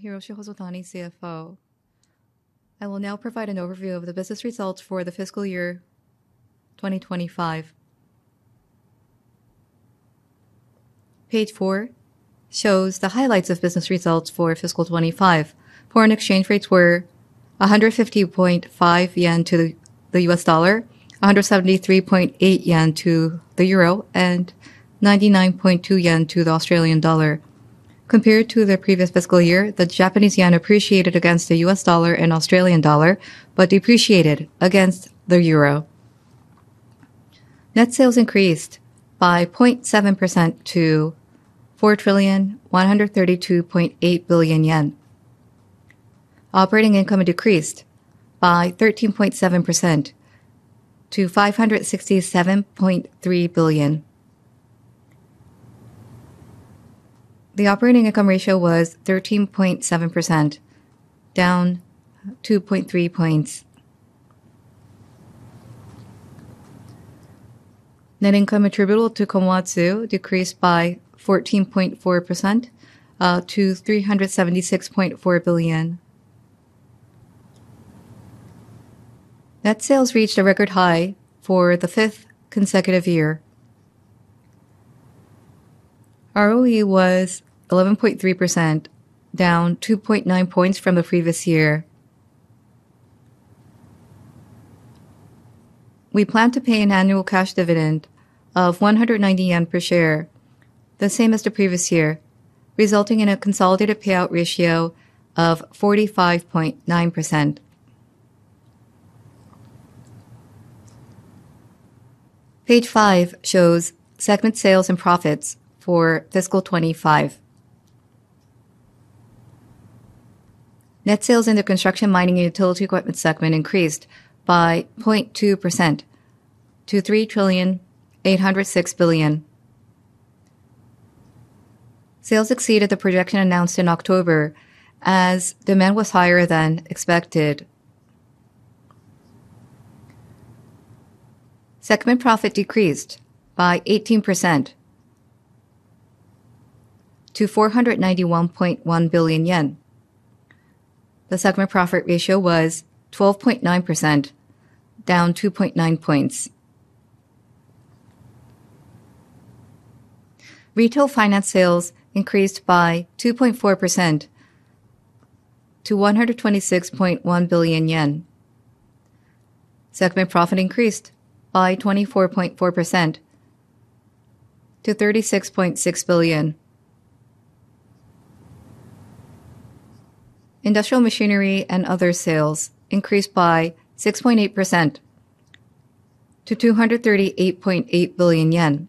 I am Hiroshi Hosotani, CFO. I will now provide an overview of the business results for the fiscal year 2025. Page four shows the highlights of business results for fiscal 2025. Foreign exchange rates were 150.5 yen to the U.S. dollar, 173.8 yen to the euro, and 99.2 yen to the Australian dollar. Compared to the previous fiscal year, the Japanese yen appreciated against the U.S. dollar and Australian dollar, but depreciated against the euro. Net sales increased by 0.7% to 4,132.8 billion yen. Operating income decreased by 13.7% to JPY 567.3 billion. The operating income ratio was 13.7%, down 2.3 points. Net income attributable to Komatsu decreased by 14.4% to JPY 376.4 billion. Net sales reached a record high for the fifth consecutive year. ROE was 11.3%, down 2.9 points from the previous year. We plan to pay an annual cash dividend of 190 yen per share, the same as the previous year, resulting in a consolidated payout ratio of 45.9%. Page five shows segment sales and profits for fiscal 2025. Net sales in the Construction, Mining, and Utility Equipment segment increased by 0.2% to JPY 3,806,000,000. Sales exceeded the projection announced in October as demand was higher than expected. Segment profit decreased by 18% to 491.1 billion yen. The segment profit ratio was 12.9%, down 2.9 points. Retail finance sales increased by 2.4% to 126.1 billion yen. Segment profit increased by 24.4% to 36.6 billion. Industrial machinery and other sales increased by 6.8% to 238.8 billion yen.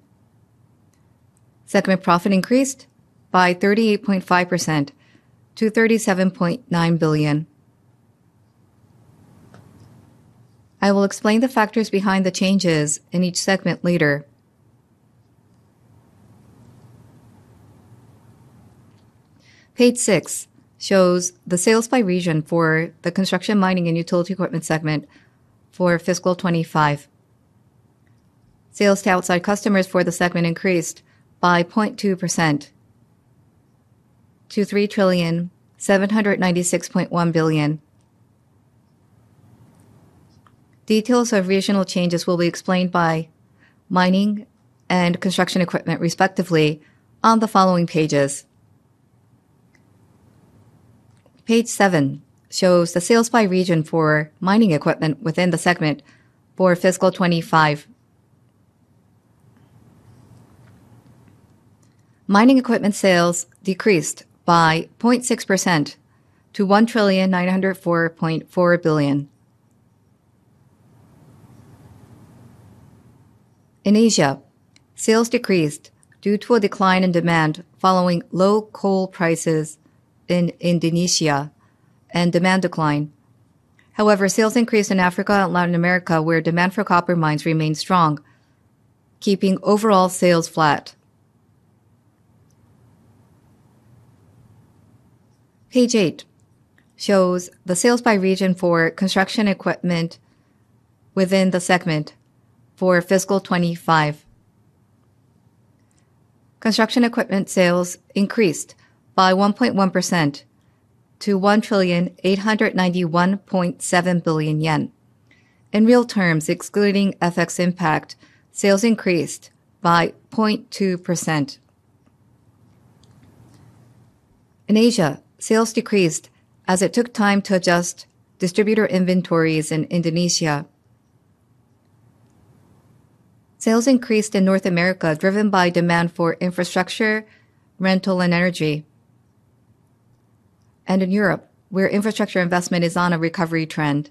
Segment profit increased by 38.5% to JPY 37.9 billion. I will explain the factors behind the changes in each segment later. Page six shows the sales by region for the Construction, Mining, and Utility Equipment segment for FY 2025. Sales to outside customers for the segment increased by 0.2% to 3,796,100,000,000. Details of regional changes will be explained by mining and construction equipment respectively on the following pages. Page seven shows the sales by region for mining equipment within the segment for FY 2025. Mining equipment sales decreased by 0.6% to JPY 1,904.4 billion. In Asia, sales decreased due to a decline in demand following low coal prices in Indonesia and demand decline. However, sales increased in Africa and Latin America, where demand for copper mines remained strong, keeping overall sales flat. Page eight shows the sales by region for construction equipment within the segment for FY 2025. Construction equipment sales increased by 1.1% to 1,891.7 billion yen. In real terms, excluding FX impact, sales increased by 0.2%. In Asia, sales decreased as it took time to adjust distributor inventories in Indonesia. Sales increased in North America, driven by demand for infrastructure, rental, and energy, and in Europe, where infrastructure investment is on a recovery trend.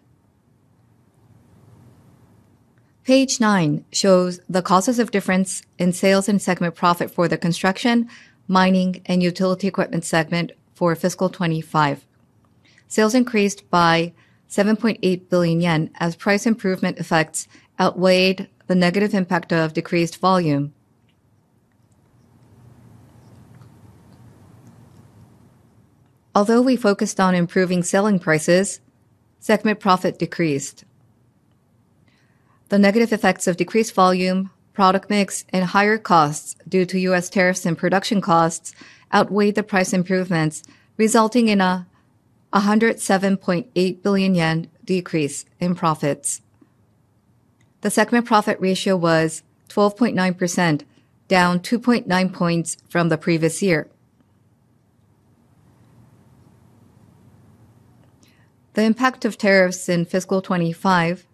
Page nine shows the causes of difference in sales and segment profit for the Construction, Mining, and Utility Equipment segment for fiscal 2025. Sales increased by 7.8 billion yen as price improvement effects outweighed the negative impact of decreased volume. Although we focused on improving selling prices, segment profit decreased. The negative effects of decreased volume, product mix, and higher costs due to U.S. tariffs and production costs outweighed the price improvements, resulting in a 107.8 billion yen decrease in profits. The segment profit ratio was 12.9%, down 2.9 points from the previous year. The impact of tariffs in fiscal 2025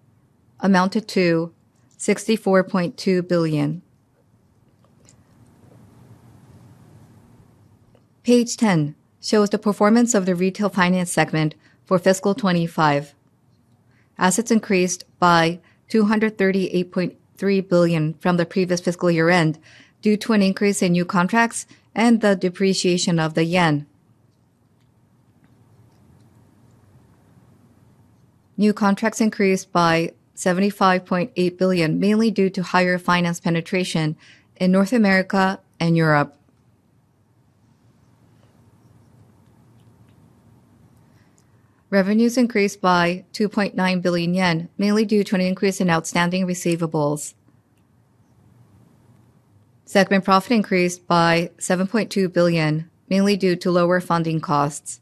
amounted to JPY 64.2 billion. Page 10 shows the performance of the Retail Finance segment for fiscal 2025. Assets increased by JPY 238.3 billion from the previous fiscal year-end due to an increase in new contracts and the depreciation of the JPY. New contracts increased by 75.8 billion, mainly due to higher finance penetration in North America and Europe. Revenues increased by 2.9 billion yen, mainly due to an increase in outstanding receivables. Segment profit increased by JPY 7.2 billion, mainly due to lower funding costs.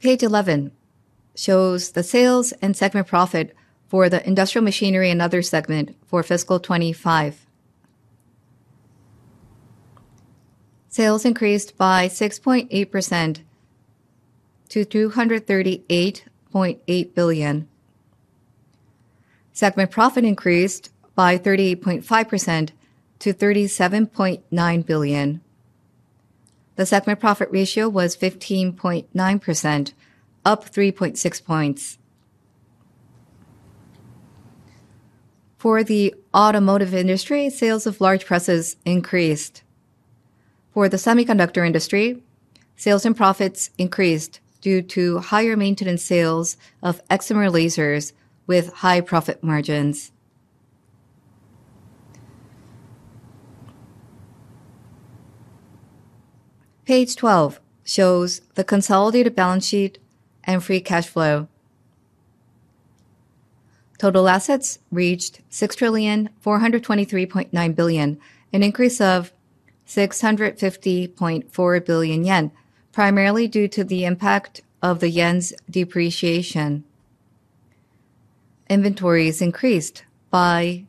Page 11 shows the sales and segment profit for the Industrial Machinery and Other segment for FY 2025. Sales increased by 6.8% to 238.8 billion. Segment profit increased by 38.5% to 37.9 billion. The segment profit ratio was 15.9%, up 3.6 points. For the automotive industry, sales of large presses increased. For the semiconductor industry, sales and profits increased due to higher maintenance sales of excimer lasers with high-profit margins. Page 12 shows the consolidated balance sheet and free cash flow. Total assets reached 6,423,900,000,000, an increase of 650.4 billion yen, primarily due to the impact of the yen's depreciation. Inventories increased by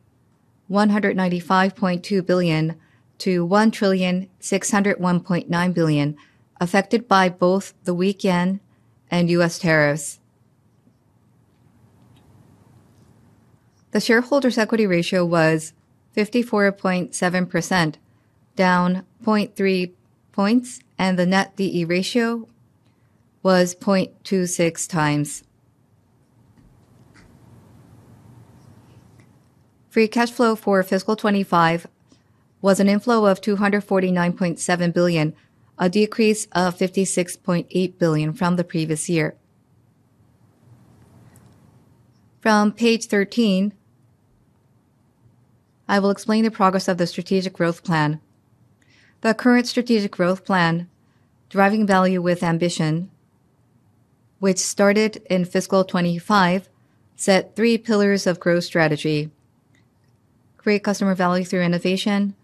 195.2 billion to 1,601,900,000,000, affected by both the weak yen and U.S. tariffs. The shareholders' equity ratio was 54.7%, down 0.3 points, and the Net D/E ratio was 0.26 times. Free cash flow for FY 2025 was an inflow of 249.7 billion, a decrease of 56.8 billion from the previous year. From page 13, I will explain the progress of the strategic growth plan. The current strategic growth plan, Driving Value with Ambition, which started in fiscal 2025, set three pillars of growth strategy: Create Customer Value Through Innovation,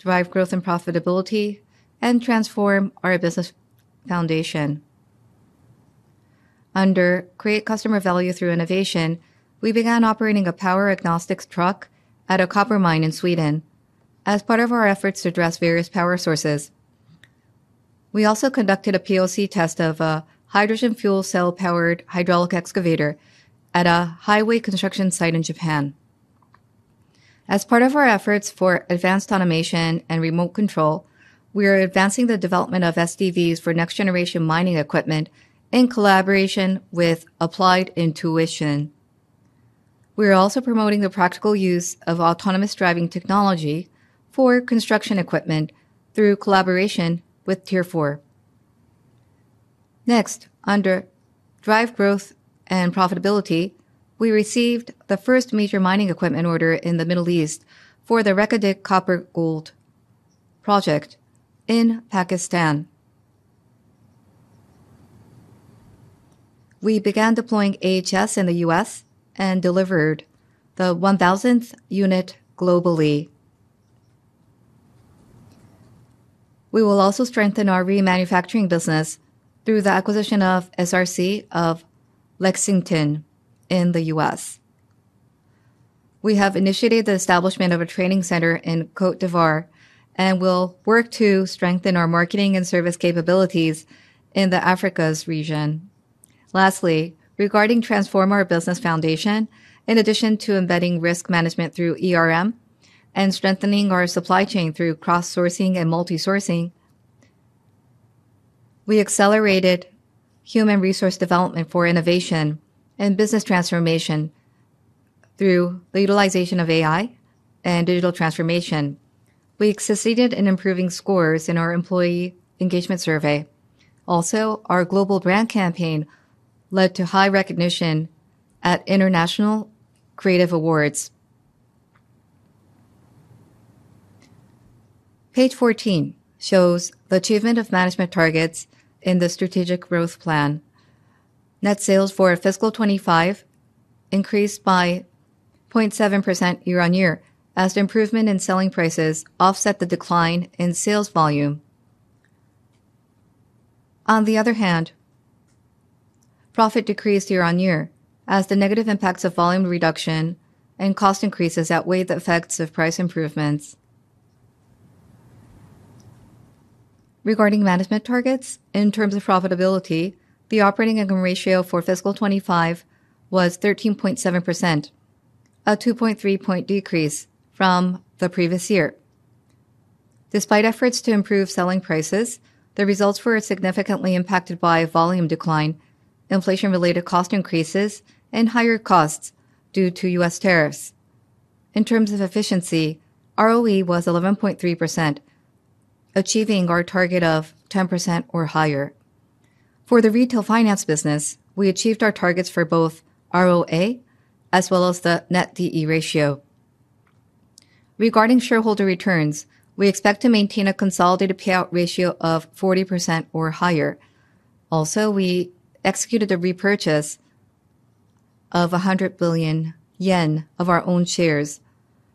Drive Growth and Profitability, and Transform Our Business Foundation. Under Create Customer Value Through Innovation, we began operating a Power Agnostic truck at a copper mine in Sweden as part of our efforts to address various power sources. We also conducted a POC test of a hydrogen fuel cell-powered hydraulic excavator at a highway construction site in Japan. As part of our efforts for advanced automation and remote control, we are advancing the development of SDVs for next-generation mining equipment in collaboration with Applied Intuition. We are also promoting the practical use of autonomous driving technology for construction equipment through collaboration with Tier IV. Next, under drive growth and profitability, we received the first major mining equipment order in the Middle East for the Reko Diq copper-gold project in Pakistan. We began deploying AHS in the U.S. and delivered the 1,000th unit globally. We will also strengthen our remanufacturing business through the acquisition of SRC of Lexington in the U.S. We have initiated the establishment of a training center in Cote d'Ivoire and will work to strengthen our marketing and service capabilities in the Africas region. Lastly, regarding transform our business foundation, in addition to embedding risk management through ERM and strengthening our supply chain through cross-sourcing and multi-sourcing, we accelerated human resource development for innovation and business transformation through the utilization of AI and digital transformation. We succeeded in improving scores in our employee engagement survey. Our global brand campaign led to high recognition at International Creative Awards. Page 14 shows the achievement of management targets in the strategic growth plan. Net sales for fiscal 2025 increased by 0.7% year-on-year as the improvement in selling prices offset the decline in sales volume. Profit decreased year-on-year as the negative impacts of volume reduction and cost increases outweighed the effects of price improvements. Regarding management targets, in terms of profitability, the operating income ratio for fiscal 2025 was 13.7%, a 2.3 percentage point decrease from the previous year. Despite efforts to improve selling prices, the results were significantly impacted by volume decline, inflation-related cost increases, and higher costs due to U.S. tariffs. In terms of efficiency, ROE was 11.3%, achieving our target of 10% or higher. For the retail finance business, we achieved our targets for both ROA as well as the net DE ratio. Regarding shareholder returns, we expect to maintain a consolidated payout ratio of 40% or higher. Also, we executed a repurchase of 100 billion yen of our own shares.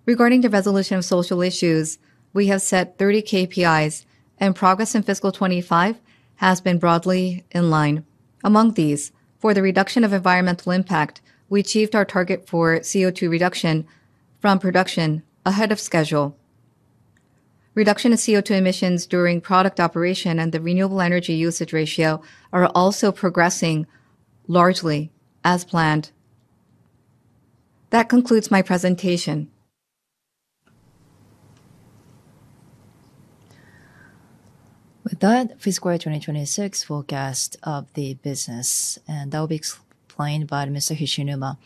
Regarding the resolution of social issues, we have set 30 KPIs, and progress in FY 2025 has been broadly in line. Among these, for the reduction of environmental impact, we achieved our target for CO2 reduction from production ahead of schedule. Reduction of CO2 emissions during product operation and the renewable energy usage ratio are also progressing largely as planned. That concludes my presentation. With that, fiscal year 2026 forecast of the business, that will be explained by Mr. Hishinuma.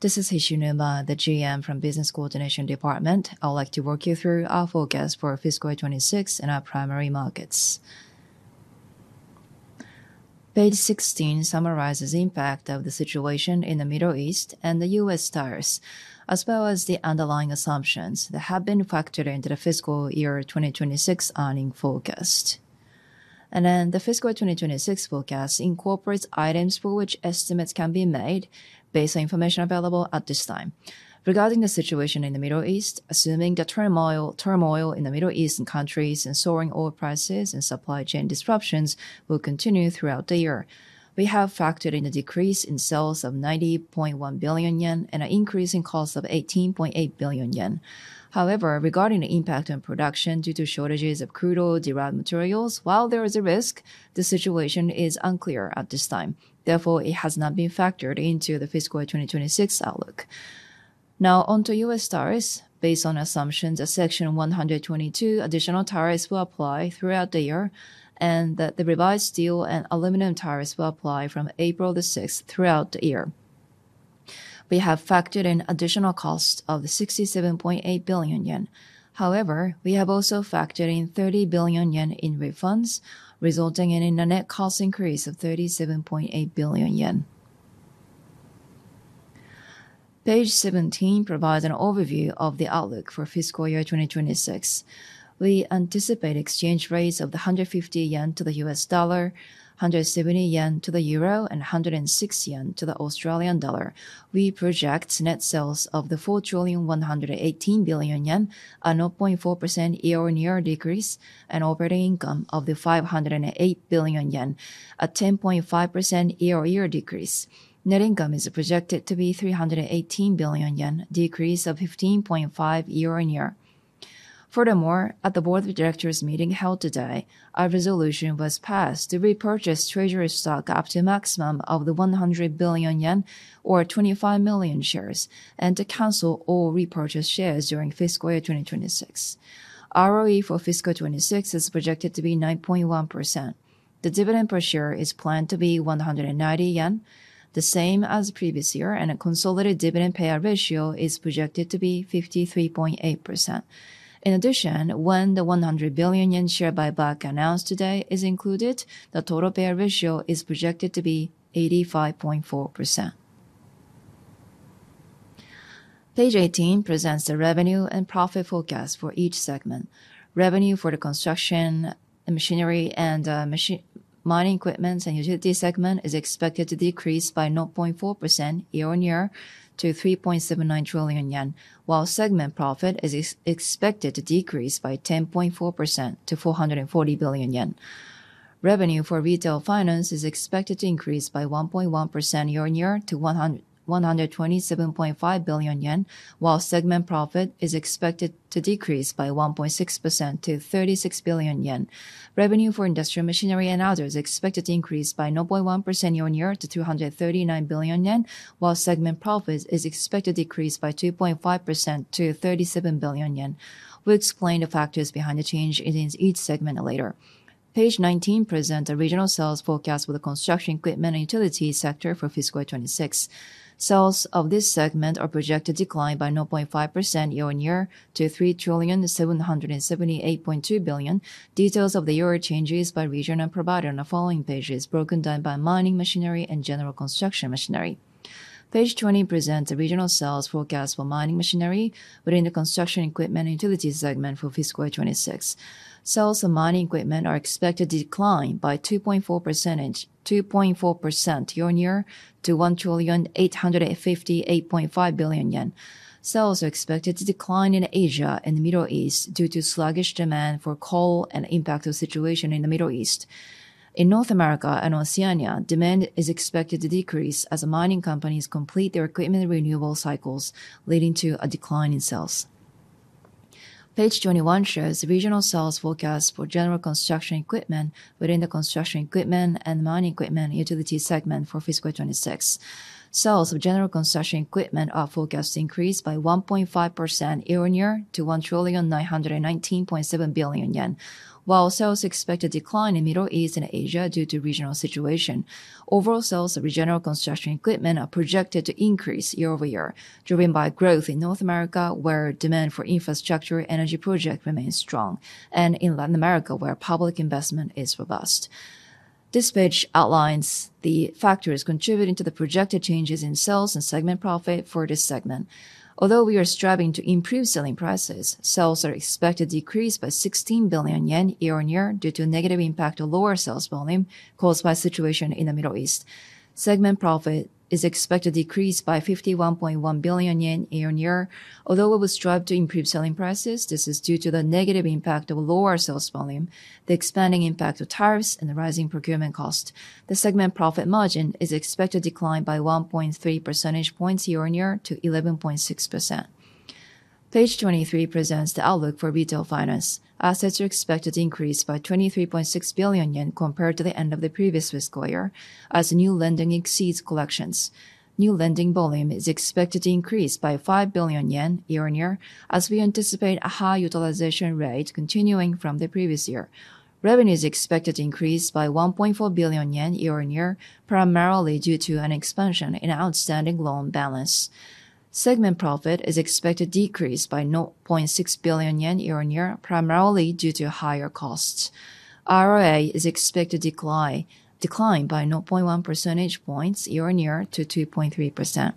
This is Hishinuma, the GM from Business Coordination Department. I would like to walk you through our forecast for fiscal year 2026 in our primary markets. Page 16 summarizes impact of the situation in the Middle East and the U.S. tariffs, as well as the underlying assumptions that have been factored into the fiscal year 2026 earnings forecast. The fiscal 2026 forecast incorporates items for which estimates can be made based on information available at this time. Regarding the situation in the Middle East, assuming the turmoil in the Middle Eastern countries and soaring oil prices and supply chain disruptions will continue throughout the year, we have factored in a decrease in sales of 90.1 billion yen and an increase in cost of 18.8 billion yen. However, regarding the impact on production due to shortages of crude oil, derived materials, while there is a risk, the situation is unclear at this time. Therefore, it has not been factored into the fiscal year 2026 outlook. On to U.S. tariffs. Based on assumptions that Section 122 additional tariffs will apply throughout the year, and that the revised steel and aluminum tariffs will apply from April 6 throughout the year. We have factored in additional cost of 67.8 billion yen. However, we have also factored in 30 billion yen in refunds, resulting in a net cost increase of 37.8 billion yen. Page 17 provides an overview of the outlook for fiscal year 2026. We anticipate exchange rates of 150 yen to the U.S. dollar, 170 yen to the euro, and 106 yen to the Australian dollar. We project net sales of 4,118,000,000,000 billi, a 0.4% year-over-year decrease, and operating income of 508 billion yen, a 10.5% year-over-year decrease. Net income is projected to be 318 billion yen, decrease of 15.5% year-over-year. Furthermore, at the board of directors meeting held today, a resolution was passed to repurchase treasury stock up to a maximum of the 100 billion yen or 25 million shares, and to cancel all repurchased shares during FY 2026. ROE for FY 2026 is projected to be 9.1%. The dividend per share is planned to be 190 yen, the same as the previous year, and a consolidated dividend payout ratio is projected to be 53.8%. In addition, when the 100 billion yen share buyback announced today is included, the total payout ratio is projected to be 85.4%. Page 18 presents the revenue and profit forecast for each segment. Revenue for the Construction, Mining, and Utility Equipment segment is expected to decrease by 0.4% year-on-year to 3.79 trillion yen, while segment profit is expected to decrease by 10.4% to 440 billion yen. Revenue for retail finance is expected to increase by 1.1% year-on-year to 127.5 billion yen, while segment profit is expected to decrease by 1.6% to 36 billion yen. Revenue for industrial machinery and others is expected to increase by 0.1% year-on-year to 239 billion yen, while segment profit is expected to decrease by 2.5% to 37 billion yen. We'll explain the factors behind the change in each segment later. Page 19 present the regional sales forecast for the Construction Equipment and Utility sector for fiscal 2026. Sales of this segment are projected to decline by 0.5% year-on-year to 3,778,200,000,000. Details of the year changes by region are provided on the following pages, broken down by mining machinery and general construction machinery. Page 20 presents the regional sales forecast for mining machinery within the Construction Equipment and Utility segment for fiscal 2026. Sales of mining equipment are expected to decline by 2.4% year-on-year to JPY 1,858,500,000,000. Sales are expected to decline in Asia and the Middle East due to sluggish demand for coal and impact of situation in the Middle East. In North America and Oceania, demand is expected to decrease as mining companies complete their equipment renewal cycles, leading to a decline in sales. Page 21 shows regional sales forecast for general construction equipment within the Construction, Mining, and Utility Equipment segment for fiscal 2026. Sales of general construction equipment are forecast to increase by 1.5% year-on-year to 1,919,700,000,000 billion yen. While sales are expected to decline in Middle East and Asia due to regional situation, overall sales of regional construction equipment are projected to increase year-over-year, driven by growth in North America, where demand for infrastructure energy project remains strong, and in Latin America, where public investment is robust. This page outlines the factors contributing to the projected changes in sales and segment profit for this segment. Although we are striving to improve selling prices, sales are expected to decrease by 16 billion yen year-on-year due to negative impact of lower sales volume caused by situation in the Middle East. Segment profit is expected to decrease by 51.1 billion yen year-on-year. Although we will strive to improve selling prices, this is due to the negative impact of lower sales volume, the expanding impact of tariffs, and the rising procurement cost. The segment profit margin is expected to decline by 1.3 percentage points year-on-year to 11.6%. Page 23 presents the outlook for retail finance. Assets are expected to increase by 23.6 billion yen compared to the end of the previous fiscal year as new lending exceeds collections. New lending volume is expected to increase by 5 billion yen year-over-year as we anticipate a high utilization rate continuing from the previous year. Revenue is expected to increase by 1.4 billion yen year-over-year, primarily due to an expansion in outstanding loan balance. Segment profit is expected to decrease by 0.6 billion yen year-over-year, primarily due to higher costs. ROA is expected decline by 0.1 percentage points year-over-year to 2.3%.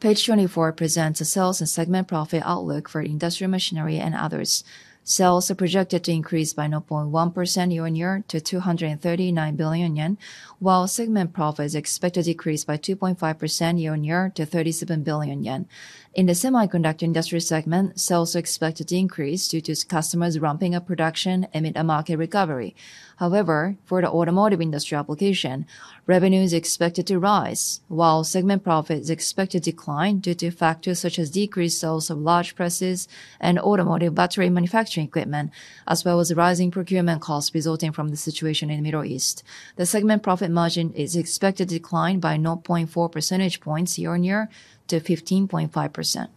Page 24 presents the sales and segment profit outlook for industrial machinery and others. Sales are projected to increase by 0.1% year-over-year to 239 billion yen, while segment profit is expected to decrease by 2.5% year-over-year to 37 billion yen. In the semiconductor industry segment, sales are expected to increase due to customers ramping up production amid a market recovery. However, for the automotive industry application, revenue is expected to rise while segment profit is expected to decline due to factors such as decreased sales of large presses and automotive battery manufacturing equipment, as well as rising procurement costs resulting from the situation in the Middle East. The segment profit margin is expected to decline by 0.4 percentage points year-on-year to 15.5%.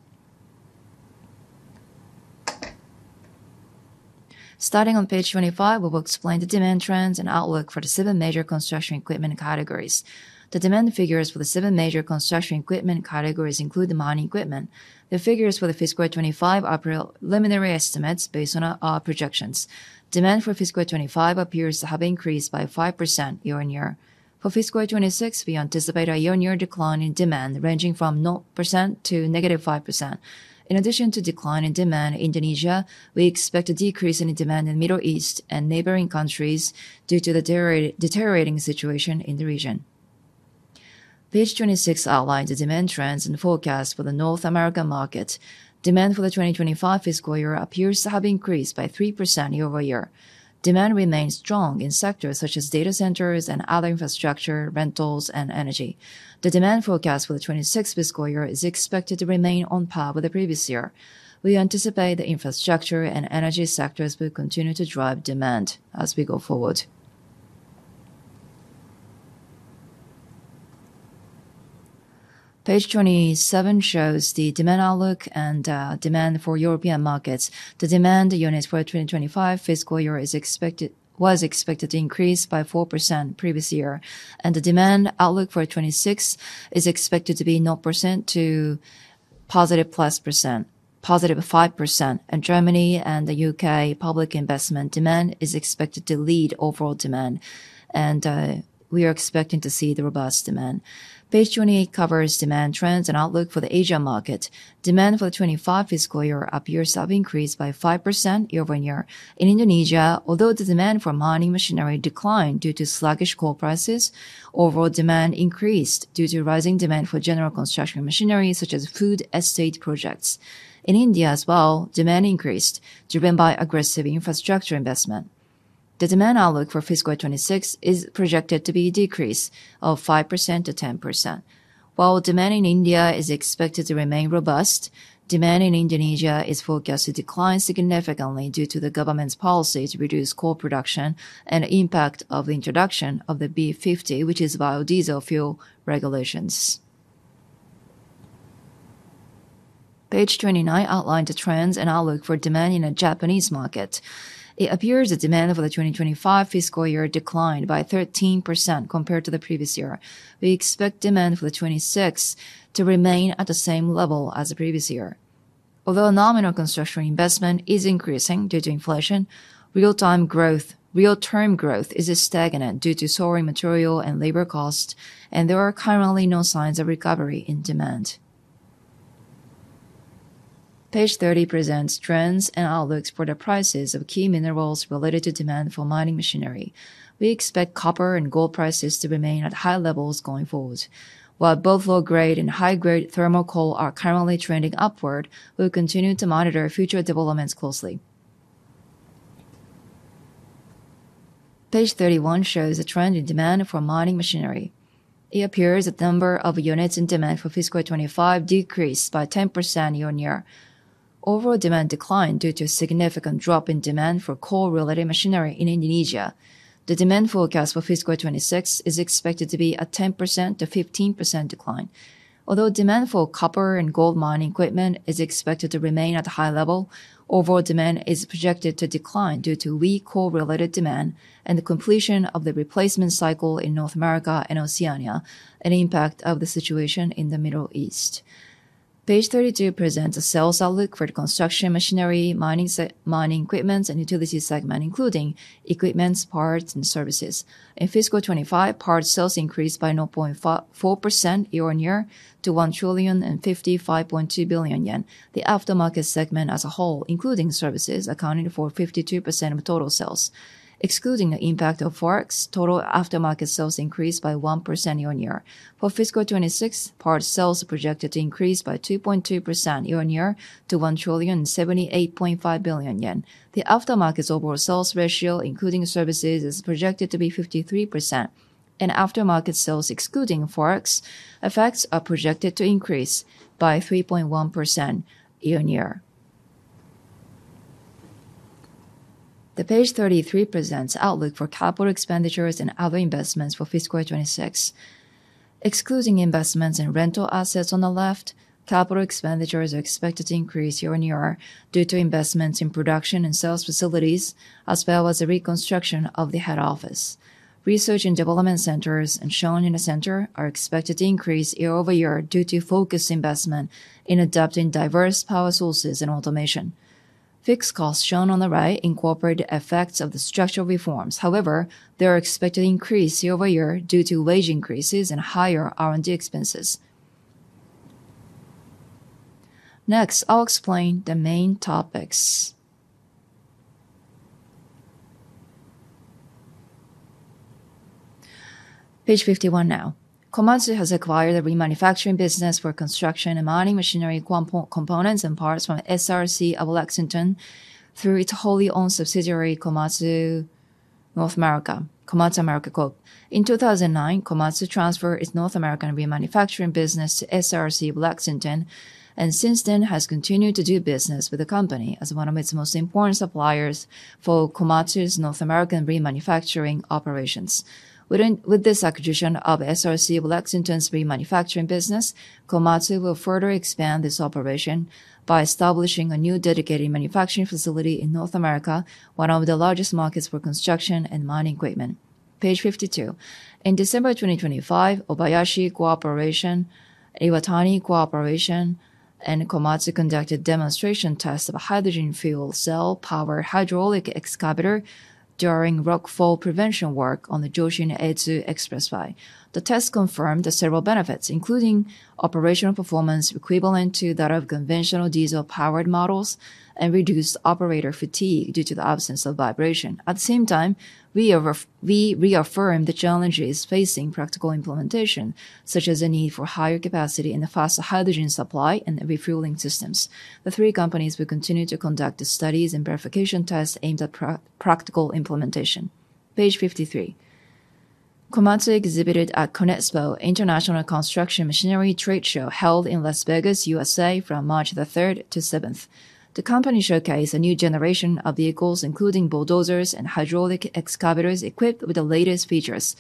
Starting on page 25, we will explain the demand trends and outlook for the seven major construction equipment categories. The demand figures for the seven major construction equipment categories include the mining equipment. The figures for fiscal 2025 are preliminary estimates based on our projections. Demand for fiscal 2025 appears to have increased by 5% year-on-year. For fiscal 2026, we anticipate a year-on-year decline in demand ranging from 0% to -5%. In addition to decline in demand in Indonesia, we expect a decrease in demand in Middle East and neighboring countries due to the deteriorating situation in the region. Page 26 outlines the demand trends and forecast for the North American market. Demand for the FY 2025 appears to have increased by 3% year-over-year. Demand remains strong in sectors such as data centers and other infrastructure, rentals, and energy. The demand forecast for the FY 2026 is expected to remain on par with the previous year. We anticipate the infrastructure and energy sectors will continue to drive demand as we go forward. Page 27 shows the demand outlook and demand for European markets. The demand units for FY 2025 was expected to increase by 4% previous year. The demand outlook for FY 2026 is expected to be 0% to +5%. In Germany and the U.K., public investment demand is expected to lead overall demand. We are expecting to see the robust demand. Page 28 covers demand trends and outlook for the Asia market. Demand for the FY 2025 fiscal year appears to have increased by 5% year-on-year. In Indonesia, although the demand for mining machinery declined due to sluggish coal prices, overall demand increased due to rising demand for general construction machinery such as food estate projects. In India as well, demand increased driven by aggressive infrastructure investment. The demand outlook for FY 2026 is projected to be a decrease of 5% to 10%. While demand in India is expected to remain robust, demand in Indonesia is forecast to decline significantly due to the government's policy to reduce coal production and impact of introduction of the B50, which is biodiesel fuel regulations. Page 29 outline the trends and outlook for demand in a Japanese market. It appears the demand over the FY 2025 declined by 13% compared to the previous year. We expect demand for the 2026 to remain at the same level as the previous year. Although nominal construction investment is increasing due to inflation, real term growth is stagnant due to soaring material and labor cost, and there are currently no signs of recovery in demand. Page 30 presents trends and outlooks for the prices of key minerals related to demand for mining machinery. We expect copper and gold prices to remain at high levels going forward. While both low-grade and high-grade thermal coal are currently trending upward, we'll continue to monitor future developments closely. Page 31 shows a trend in demand for mining machinery. It appears the number of units in demand for fiscal 2025 decreased by 10% year-on-year. Overall demand declined due to a significant drop in demand for coal-related machinery in Indonesia. The demand forecast for fiscal 2026 is expected to be a 10%-15% decline. Although demand for copper and gold mining equipment is expected to remain at a high level, overall demand is projected to decline due to weak coal-related demand and the completion of the replacement cycle in North America and Oceania and impact of the situation in the Middle East. Page 32 presents a sales outlook for the Construction, Mining, and Utility Equipment segment, including equipments, parts, and services. In fiscal 2025, parts sales increased by 0.4% year-on-year to 1,055,200,000,000 yen. The aftermarket segment as a whole, including services, accounted for 52% of total sales. Excluding the impact of Forex, total aftermarket sales increased by 1% year-on-year. For fiscal 2026, parts sales are projected to increase by 2.2% year-on-year to JPY 1,078,500,000,000. Aftermarket sales' overall sales ratio, including services, is projected to be 53%. Aftermarket sales excluding Forex effects are projected to increase by 3.1% year-on-year. Page 33 presents outlook for capital expenditures and other investments for fiscal 2026. Excluding investments in rental assets on the left, capital expenditures are expected to increase year-on-year due to investments in production and sales facilities, as well as the reconstruction of the head office. Research and development centers, as shown in the center, are expected to increase year-over-year due to focused investment in adopting diverse power sources and automation. Fixed costs shown on the right incorporate effects of the structural reforms. They are expected to increase year-over-year due to wage increases and higher R&D expenses. Next, I'll explain the main topics. Page 51 now. Komatsu has acquired a remanufacturing business for construction and mining machinery components and parts from SRC of Lexington through its wholly owned subsidiary, Komatsu North America, Komatsu America Corp. In 2009, Komatsu transferred its North American remanufacturing business to SRC of Lexington, and since then has continued to do business with the company as one of its most important suppliers for Komatsu's North American remanufacturing operations. With this acquisition of SRC of Lexington's remanufacturing business, Komatsu will further expand this operation by establishing a new dedicated manufacturing facility in North America, one of the largest markets for construction and mining equipment. Page 52. In December 2025, Obayashi Corporation, Iwatani Corporation, and Komatsu conducted demonstration tests of a hydrogen fuel cell-powered hydraulic excavator during rockfall prevention work on the Joshinetsu Expressway. The test confirmed the several benefits, including operational performance equivalent to that of conventional diesel-powered models and reduced operator fatigue due to the absence of vibration. At the same time, we reaffirmed the challenges facing practical implementation, such as the need for higher capacity and a faster hydrogen supply and refueling systems. The three companies will continue to conduct the studies and verification tests aimed at practical implementation. Page 53. Komatsu exhibited at Conexpo International Construction Machinery Trade Show held in Las Vegas, U.S.A. from March 3rd to March 7th. The company showcased a new generation of vehicles, including bulldozers and hydraulic excavators equipped with the latest features,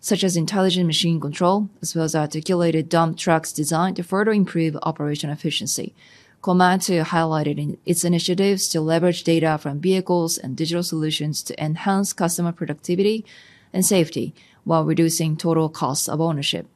such as Intelligent Machine Control, as well as articulated dump trucks designed to further improve operational efficiency. Komatsu highlighted in its initiatives to leverage data from vehicles and digital solutions to enhance customer productivity and safety while reducing total cost of ownership.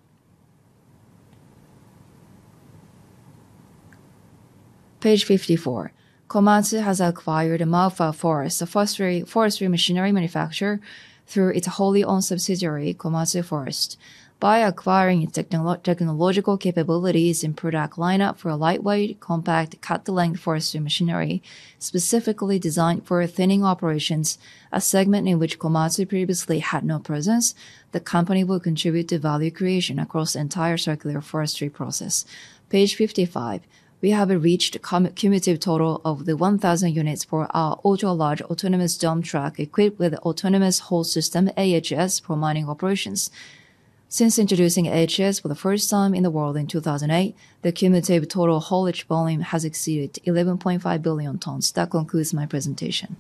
Page 54. Komatsu has acquired Malwa Forest AB, a forestry machinery manufacturer, through its wholly owned subsidiary, Komatsu Forest AB. By acquiring technological capabilities and product lineup for a lightweight, compact, cut-to-length forestry machinery specifically designed for thinning operations, a segment in which Komatsu previously had no presence, the company will contribute to value creation across the entire circular forestry process. Page 55. We have reached a cumulative total of the 1,000 units for our ultra-large autonomous dump truck equipped with autonomous haul system, AHS, for mining operations. Since introducing AHS for the first time in the world in 2008, the cumulative total haulage volume has exceeded 11.5 billion tons. That concludes my presentation.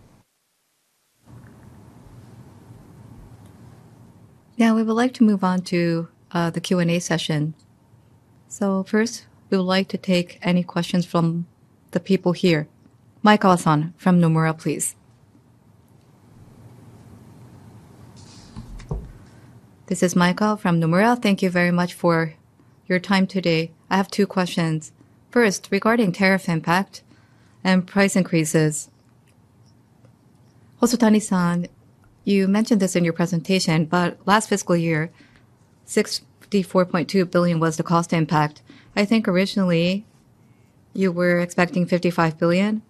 Now we would like to move on to the Q&A session. First, we would like to take any questions from the people here. Maekawa-san from Nomura, please. This is Maekawa from Nomura. Thank you very much for your time today. I have two questions. First, regarding tariff impact and price increases. Hosotani-san, you mentioned this in your presentation, but last fiscal year 64.2 billion was the cost impact. I think originally you were expecting 55 billion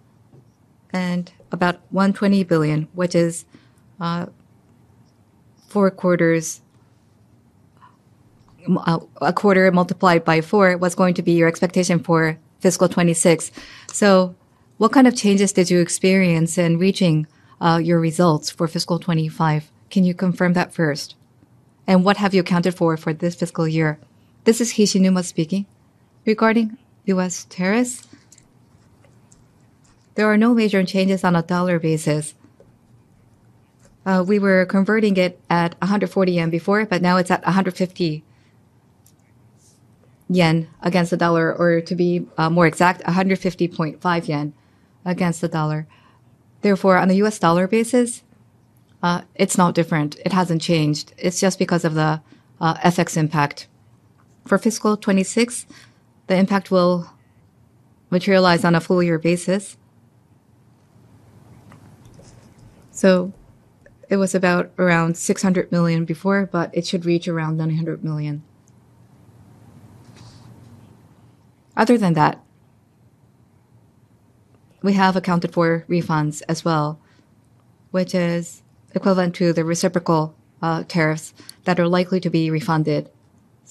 and about 120 billion, which is a quarter multiplied by four, was going to be your expectation for FY 2026. What kind of changes did you experience in reaching your results for FY 2025? Can you confirm that first? What have you accounted for for this fiscal year? This is Hishinuma speaking. Regarding U.S. tariffs, there are no major changes on a U.S.D basis. We were converting it at 140 yen before, but now it's at 150 yen against the USD, or to be, more exact, 150.5 yen against the U.S.D. On the U.S.D basis, it's not different. It hasn't changed. It's just because of the FX impact. For FY 2026, the impact will materialize on a full-year basis. It was about around $600 million before, but it should reach around $900 million. Other than that, we have accounted for refunds as well, which is equivalent to the reciprocal tariffs that are likely to be refunded.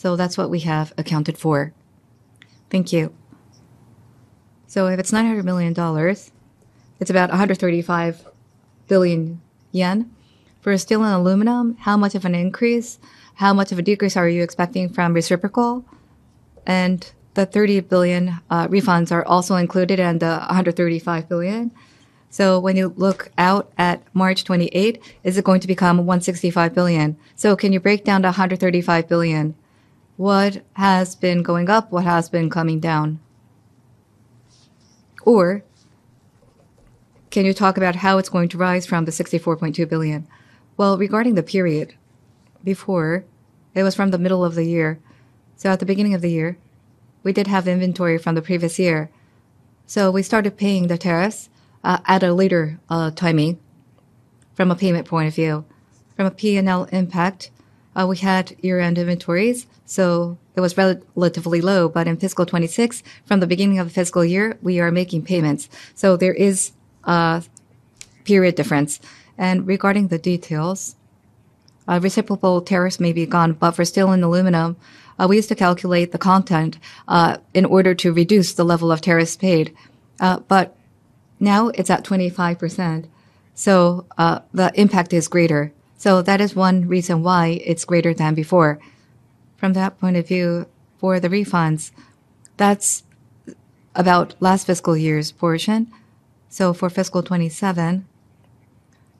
That's what we have accounted for. Thank you. If it's $900 million, it's about 135 billion yen. For steel and aluminum, how much of an increase, how much of a decrease are you expecting from reciprocal? The 30 billion refunds are also included in the 135 billion. When you look out at March 28, is it going to become 165 billion? Can you break down the 135 billion? What has been going up? What has been coming down? Can you talk about how it's going to rise from the 64.2 billion? Well, regarding the period, before it was from the middle of the year. At the beginning of the year, we did have inventory from the previous year, we started paying the tariffs at a later timing from a payment point of view. From a P&L impact, we had year-end inventories, so it was relatively low. In fiscal 2026, from the beginning of the fiscal year, we are making payments. There is a period difference. Regarding the details, reciprocal tariffs may be gone, but for steel and aluminum, we used to calculate the content in order to reduce the level of tariffs paid. Now it's at 25%, the impact is greater. That is one reason why it's greater than before. From that point of view, for the refunds, that's about last fiscal year's portion. For fiscal 2027,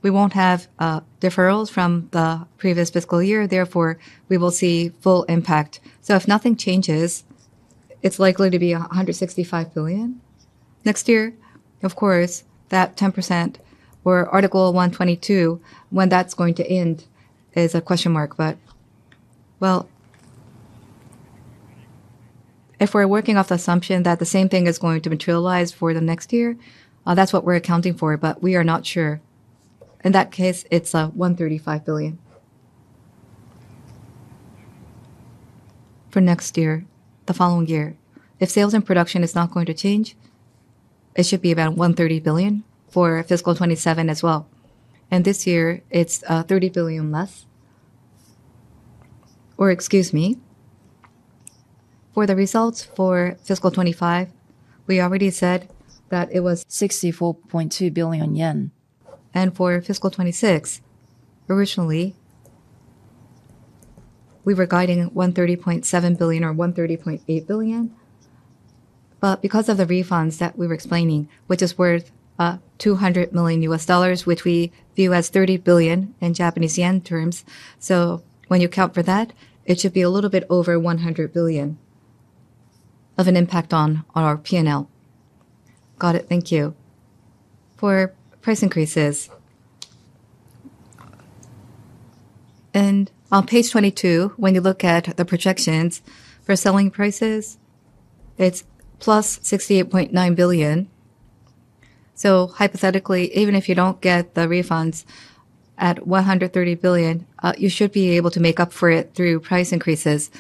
we won't have deferrals from the previous fiscal year, therefore we will see full impact. If nothing changes, it's likely to be 165 billion next year. Of course, that 10% or Article 122, when that's going to end is a question mark. Well, if we're working off the assumption that the same thing is going to materialize for the next year, that's what we're accounting for, but we are not sure. In that case, it's 135 billion. For next year, the following year, if sales and production is not going to change, it should be about 130 billion for FY 2027 as well. This year it's 30 billion less. Excuse me, for the results for FY 2025, we already said that it was 64.2 billion yen. For FY 2026, originally, we were guiding 130.7 billion or 130.8 billion. Because of the refunds that we were explaining, which is worth $200 million, which we view as 30 billion in Japanese yen terms. When you account for that, it should be a little bit over 100 billion of an impact on our P&L. Got it. Thank you. For price increases. On page 22, when you look at the projections for selling prices, it's +68.9 billion. Hypothetically, even if you don't get the refunds at 130 billion, you should be able to make up for it through price increases.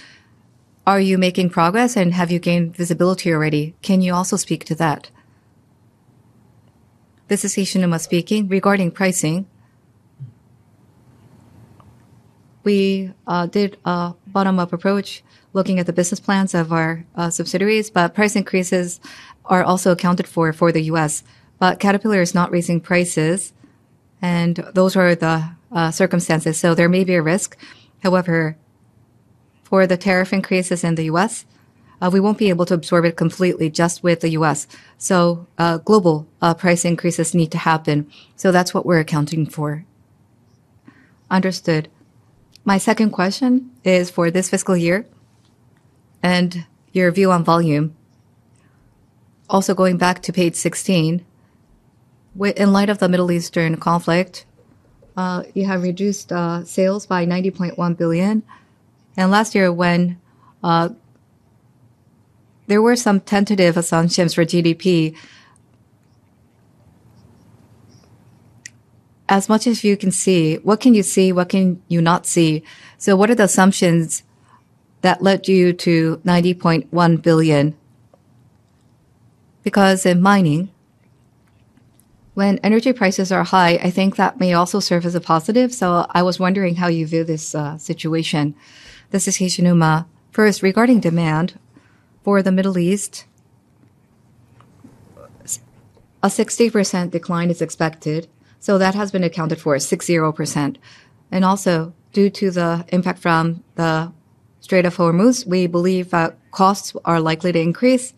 Are you making progress, and have you gained visibility already? Can you also speak to that? This is Hishinuma speaking. Regarding pricing, we did a bottom-up approach looking at the business plans of our subsidiaries, but price increases are also accounted for for the U.S. Caterpillar is not raising prices, and those are the circumstances, so there may be a risk. For the tariff increases in the U.S., we won't be able to absorb it completely just with the U.S., so global price increases need to happen. That's what we're accounting for. Understood. My second question is for this fiscal year and your view on volume. Also going back to page 16, in light of the Middle Eastern conflict, you have reduced sales by 90.1 billion. Last year when, there were some tentative assumptions for GDP. As much as you can see, what can you see? What can you not see? What are the assumptions that led you to 90.1 billion? Because in mining, when energy prices are high, I think that may also serve as a positive. I was wondering how you view this situation. This is Hishinuma. First, regarding demand for the Middle East, a 60% decline is expected. That has been accounted for, 60%. Due to the impact from the Strait of Hormuz, we believe that costs are likely to increase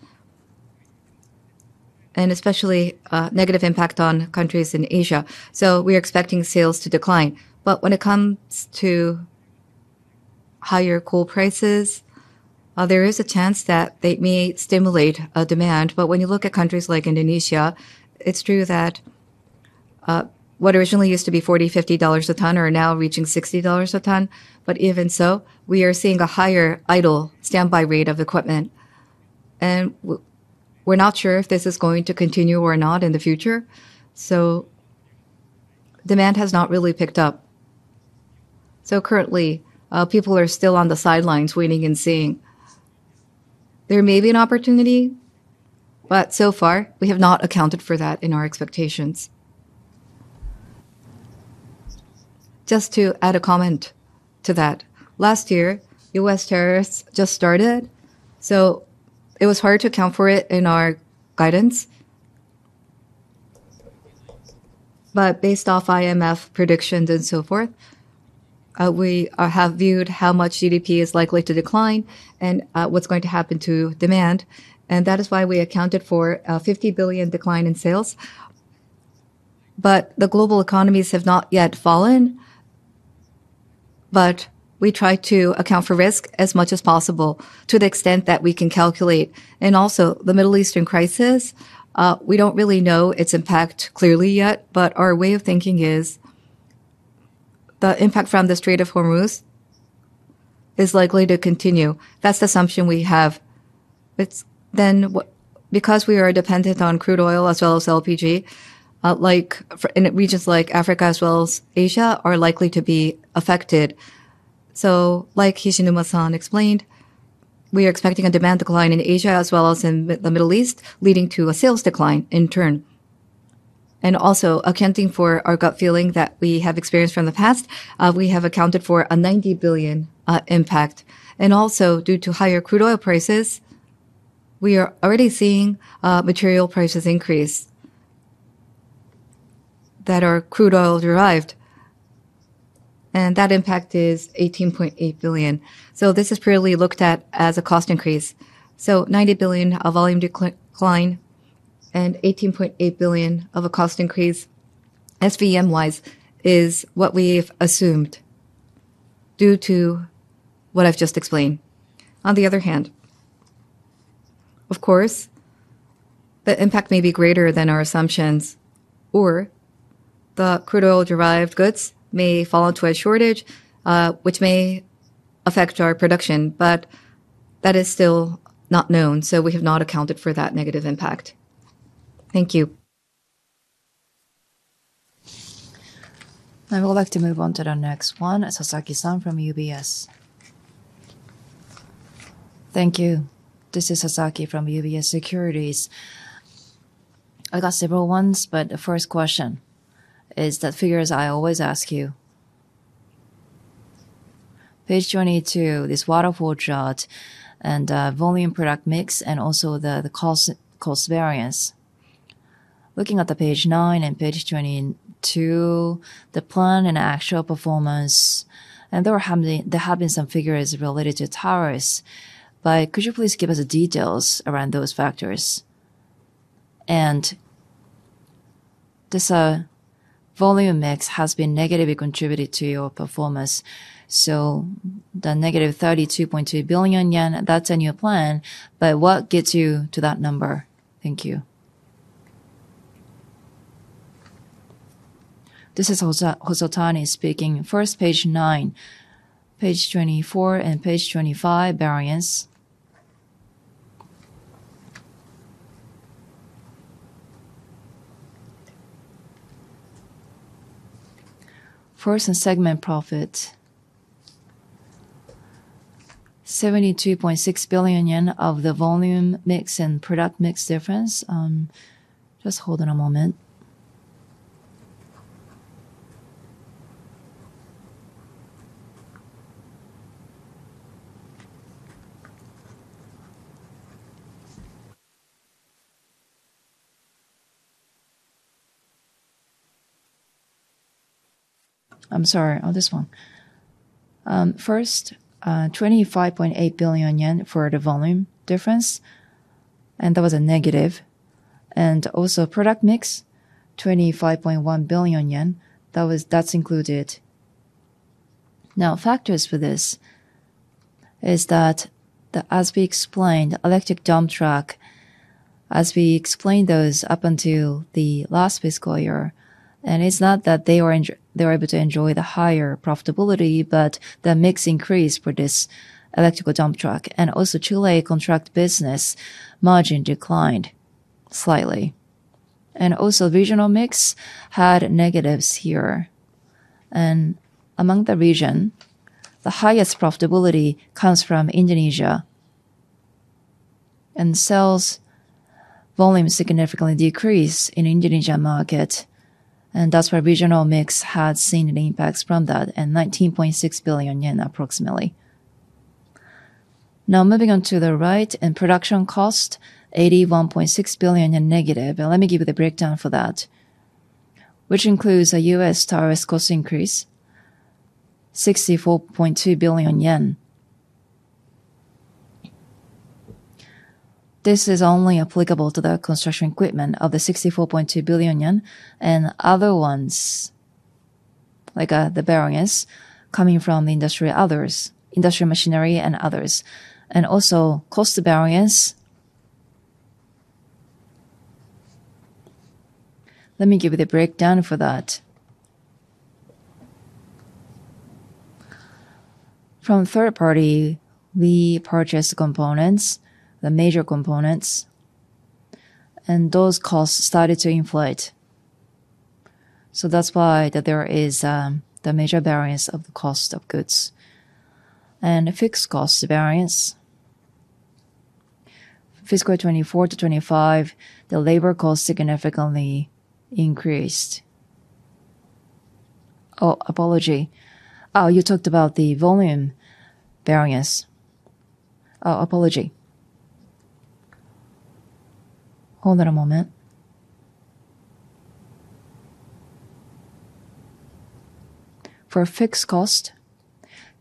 and especially, negative impact on countries in Asia. We're expecting sales to decline. When it comes to higher coal prices, there is a chance that they may stimulate demand. When you look at countries like Indonesia, it's true that, what originally used to be 40, JPY 50 a ton are now reaching JPY 60 a ton. Even so, we are seeing a higher idle standby rate of equipment, and we're not sure if this is going to continue or not in the future. Demand has not really picked up. Currently, people are still on the sidelines waiting and seeing. There may be an opportunity, but so far we have not accounted for that in our expectations. Just to add a comment to that. Last year, U.S. tariffs just started, it was hard to account for it in our guidance. Based off IMF predictions and so forth, we have viewed how much GDP is likely to decline and what's going to happen to demand, that is why we accounted for a 50 billion decline in sales. The global economies have not yet fallen. We try to account for risk as much as possible to the extent that we can calculate. The Middle Eastern crisis, we don't really know its impact clearly yet, but our way of thinking is the impact from the Strait of Hormuz is likely to continue. That's the assumption we have. Because we are dependent on crude oil as well as LPG, like in regions like Africa as well as Asia are likely to be affected. Like Hishinuma-san explained, we are expecting a demand decline in Asia as well as in the Middle East, leading to a sales decline in turn. Accounting for our gut feeling that we have experienced from the past, we have accounted for a 90 billion impact. Due to higher crude oil prices, we are already seeing material prices increase that are crude oil derived, and that impact is 18.8 billion. This is purely looked at as a cost increase. 90 billion of volume decline and 18.8 billion of a cost increase SVM-wise is what we've assumed due to what I've just explained. On the other hand, of course, the impact may be greater than our assumptions, or the crude oil derived goods may fall into a shortage, which may affect our production. That is still not known, so we have not accounted for that negative impact. Thank you. I would like to move on to the next one, Sasaki-san from UBS. Thank you. This is Sasaki from UBS Securities. I got several ones, but the first question is the figures I always ask you. Page 22, this waterfall chart and volume product mix and also the cost variance. Looking at the page nine and page 22, the plan and actual performance, and there have been some figures related to tariffs, but could you please give us the details around those factors? This volume mix has been negatively contributed to your performance. The -32.2 billion yen, that's in your plan, but what gets you to that number? Thank you. This is Hosotani speaking. First, page 9, page 24 and page 25 variance. First, in segment profit, 72.6 billion yen of the volume mix and product mix difference. Just hold on a moment. I'm sorry. Oh, this one. First, 25.8 billion yen for the volume difference, and that was a negative. Product mix, 25.1 billion yen. That's included. Factors for this is that as we explained, electric dump truck, as we explained those up until the last fiscal year, it's not that they were able to enjoy the higher profitability, but the mix increased for this electrical dump truck. Chile contract business margin declined slightly. Regional mix had negatives here. Among the region, the highest profitability comes from Indonesia. Sales volume significantly decreased in Indonesia market, and that's where regional mix had seen an impact from that, and 19.6 billion yen approximately. Moving on to the right, production cost, -81.6 billion. Let me give you the breakdown for that, which includes a U.S. tariff cost increase, JPY 64.2 billion. This is only applicable to the construction equipment of the 64.2 billion yen and other ones like the variance coming from the industrial machinery and others. Also cost variance. Let me give you the breakdown for that. From third party, we purchase components, the major components, and those costs started to inflate. That's why that there is the major variance of the cost of goods. Fixed cost variance, fiscal 2024 to 2025, the labor cost significantly increased. Oh, apology. Apology. Hold on a moment. For fixed cost,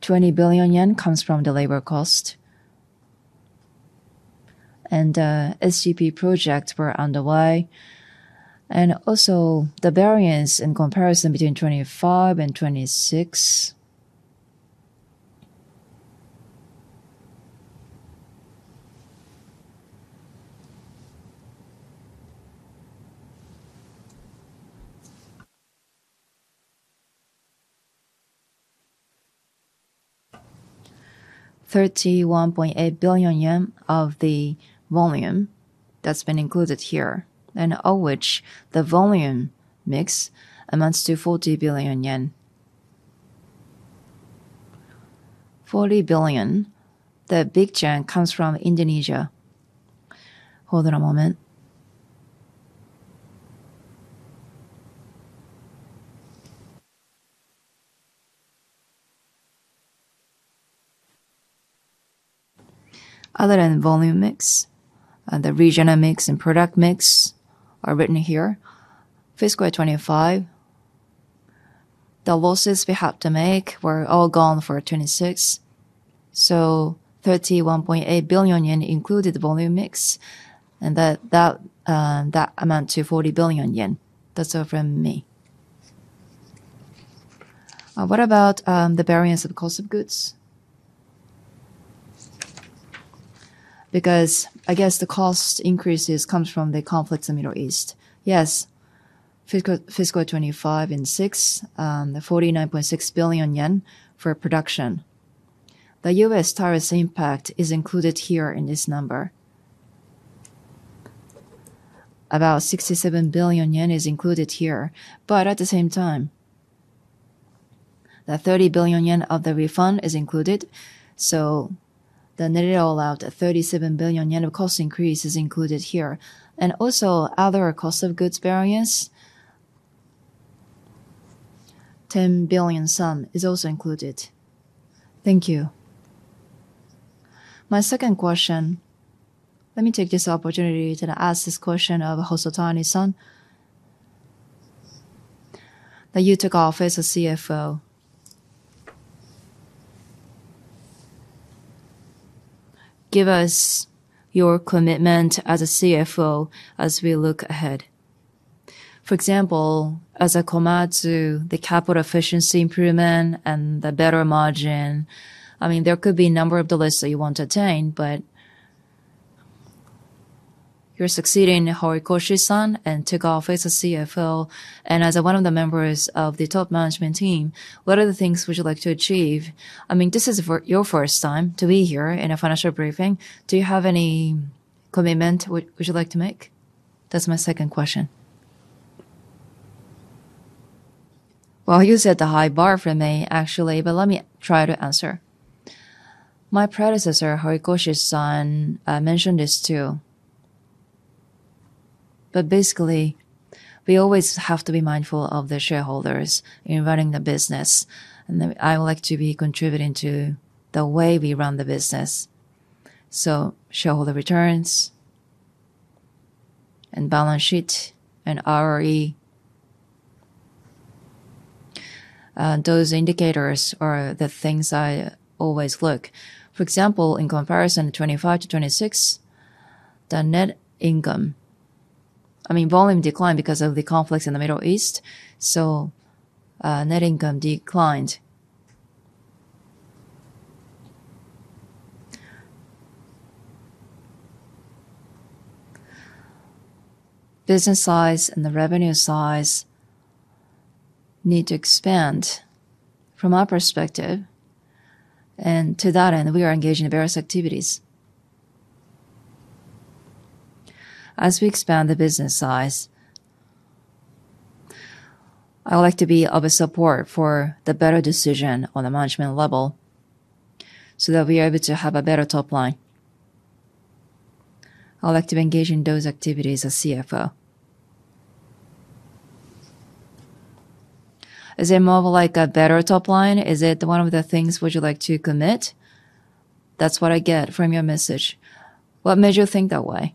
20 billion yen comes from the labor cost. SCP projects were underway. Also the variance in comparison between 2025 and 2026. 31.8 billion yen of the volume that's been included here. Of which the volume mix amounts to 40 billion yen. 40 billion, the big chunk comes from Indonesia. Hold on a moment. Other than volume mix, the regional mix and product mix are written here. FY 2025, the losses we have to make were all gone for 2026. 31.8 billion yen included volume mix, and that amount to 40 billion yen. That's all from me. What about the variance of cost of goods? I guess the cost increases comes from the conflicts in Middle East. Yes. Fiscal 2025 and 2026, the 49.6 billion yen for production. The U.S. tariffs impact is included here in this number. About JPY 67 billion is included here. At the same time, the 30 billion yen of the refund is included, so the net it all out, the 37 billion yen of cost increase is included here. Other cost of goods variance, 10 billion some is also included. Thank you. My second question, let me take this opportunity to ask this question of Hosotani-san. That you took office as CFO. Give us your commitment as a CFO as we look ahead. For example, as a Komatsu, the capital efficiency improvement and the better margin, I mean, there could be a number of the lists that you want to attain, but you're succeeding Horikoshi-san and took office as CFO, and as one of the members of the top management team, what are the things would you like to achieve? I mean, this is your first time to be here in a financial briefing. Do you have any commitment would you like to make? That's my second question. Well, you set a high bar for me, actually, let me try to answer. My predecessor, Horikoshi-san, mentioned this too. Basically, we always have to be mindful of the shareholders in running the business, I would like to be contributing to the way we run the business. Shareholder returns and balance sheet and ROE. Those indicators are the things I always look. For example, in comparison 2025-2026, the net income... I mean, volume declined because of the conflicts in the Middle East, so net income declined. Business size and the revenue size need to expand from our perspective. To that end, we are engaging in various activities. As we expand the business size, I would like to be of a support for the better decision on a management level so that we are able to have a better top line. I would like to engage in those activities as CFO. Is it more of like a better top line? Is it one of the things would you like to commit? That's what I get from your message. What made you think that way?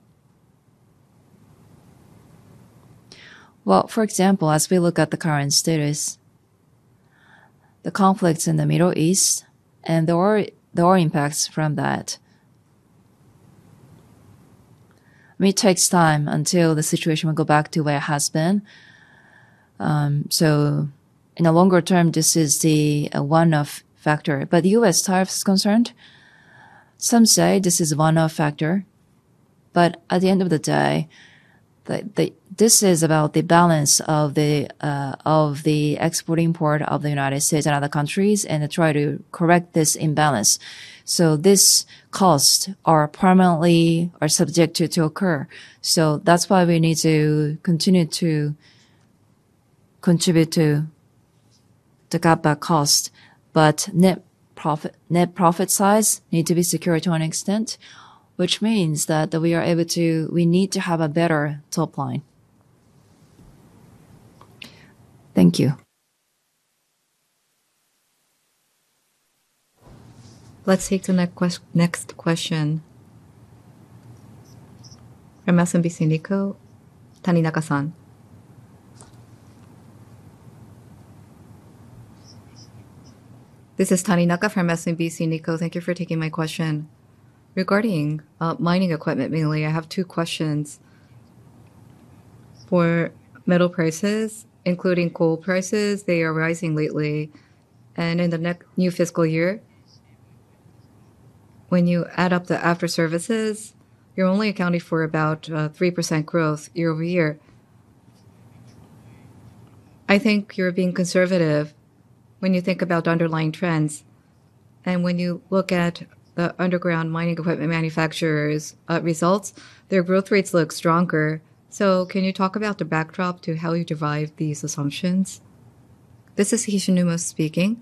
Well, for example, as we look at the current status, the conflicts in the Middle East and there are impacts from that. I mean, it takes time until the situation will go back to where it has been. In the longer term, this is the one-off factor. U.S. tariff is concerned, some say this is a one-off factor. At the end of the day, this is about the balance of the export-import of the United States and other countries, and to try to correct this imbalance. These costs are permanently are subjected to occur. That's why we need to continue to contribute to cut back cost. Net profit size need to be secured to an extent, which means that we need to have a better top line. Thank you. Let's take the next question. From SMBC Nikko, Taninaka-san. This is Taninaka from SMBC Nikko. Thank you for taking my question. Regarding mining equipment mainly, I have two questions. For metal prices, including coal prices, they are rising lately. In the next new fiscal year, when you add up the after services, you're only accounting for about 3% growth year-over-year. I think you're being conservative when you think about underlying trends. When you look at the underground mining equipment manufacturers' results, their growth rates look stronger. Can you talk about the backdrop to how you derive these assumptions? This is Hishinuma speaking.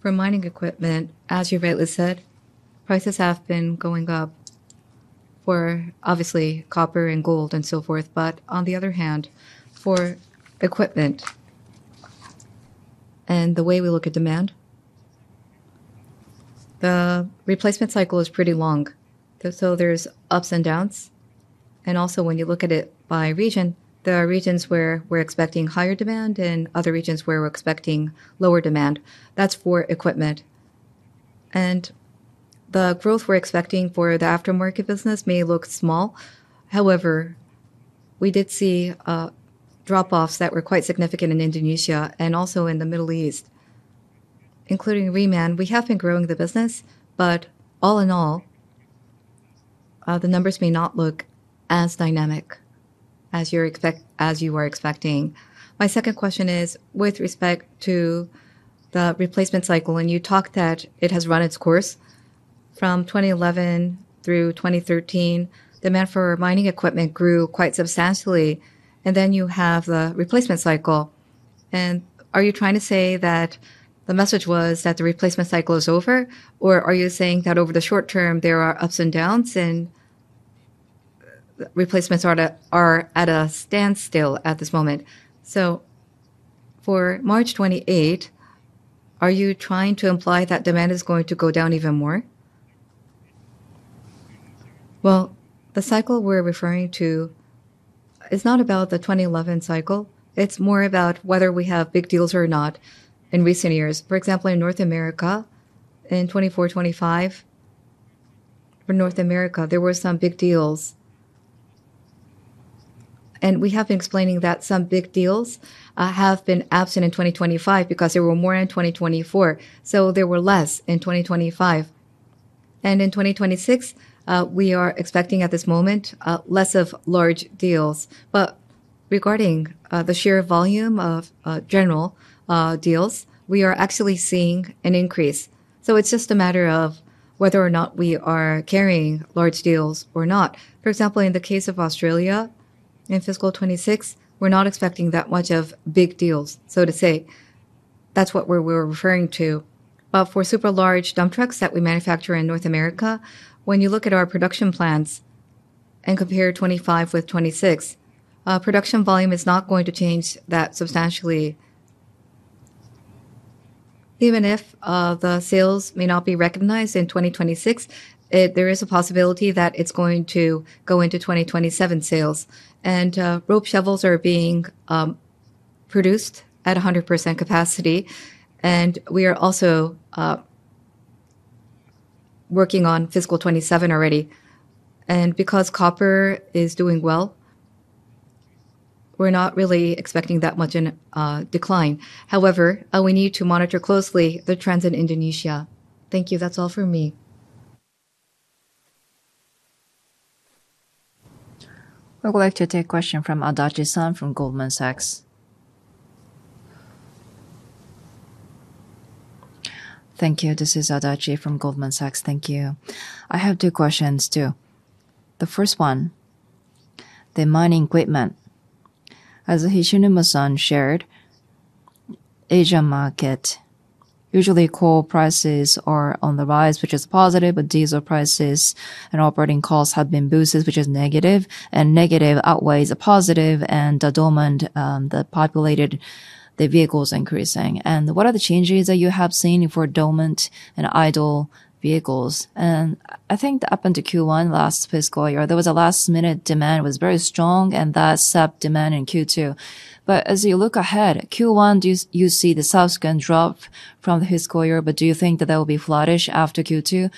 For mining equipment, as you rightly said, prices have been going up for obviously copper and gold and so forth. On the other hand, for equipment and the way we look at demand, the replacement cycle is pretty long. There's ups and downs. Also when you look at it by region, there are regions where we're expecting higher demand and other regions where we're expecting lower demand. That's for equipment. The growth we're expecting for the aftermarket business may look small. However, we did see drop-offs that were quite significant in Indonesia and also in the Middle East. Including reman, we have been growing the business, but all in all, the numbers may not look as dynamic as you were expecting. My second question is with respect to the replacement cycle, when you talk that it has run its course from 2011 through 2013, demand for mining equipment grew quite substantially, and then you have the replacement cycle. Are you trying to say that the message was that the replacement cycle is over? Or are you saying that over the short term, there are ups and downs and replacements are at a standstill at this moment? For March 28, are you trying to imply that demand is going to go down even more? Well, the cycle we're referring to is not about the 2011 cycle. It's more about whether we have big deals or not in recent years. For example, in North America, in 2024, 2025, for North America, there were some big deals. We have been explaining that some big deals have been absent in 2025 because there were more in 2024. There were less in 2025. In 2026, we are expecting at this moment less of large deals. Regarding the sheer volume of general deals, we are actually seeing an increase. It's just a matter of whether or not we are carrying large deals or not. For example, in the case of Australia, in fiscal 2026, we're not expecting that much of big deals, so to say. That's what we're referring to. For super-large dump trucks that we manufacture in North America, when you look at our production plans and compare 25 with 26, production volume is not going to change that substantially. Even if the sales may not be recognized in 2026, there is a possibility that it's going to go into 2027 sales. Rope shovels are being produced at a 100% capacity, and we are also working on fiscal 2027 already. Because copper is doing well, we're not really expecting that much in decline. However, we need to monitor closely the trends in Indonesia. Thank you. That's all for me. We'd like to take question from Adachi-san from Goldman Sachs. Thank you. This is Adachi from Goldman Sachs. Thank you. I have two questions, too. The first one, the mining equipment. As Hishinuma-san shared, Asia market, usually coal prices are on the rise, which is positive, but diesel prices and operating costs have been boosted, which is negative, and negative outweighs the positive and the dormant, the vehicles increasing. What are the changes that you have seen for dormant and idle vehicles? I think up until Q1 last fiscal year, there was a last-minute demand was very strong and that sapped demand in Q2. As you look ahead, Q1, do you see the subsequent drop from the fiscal year, but do you think that they'll be flattish after Q2?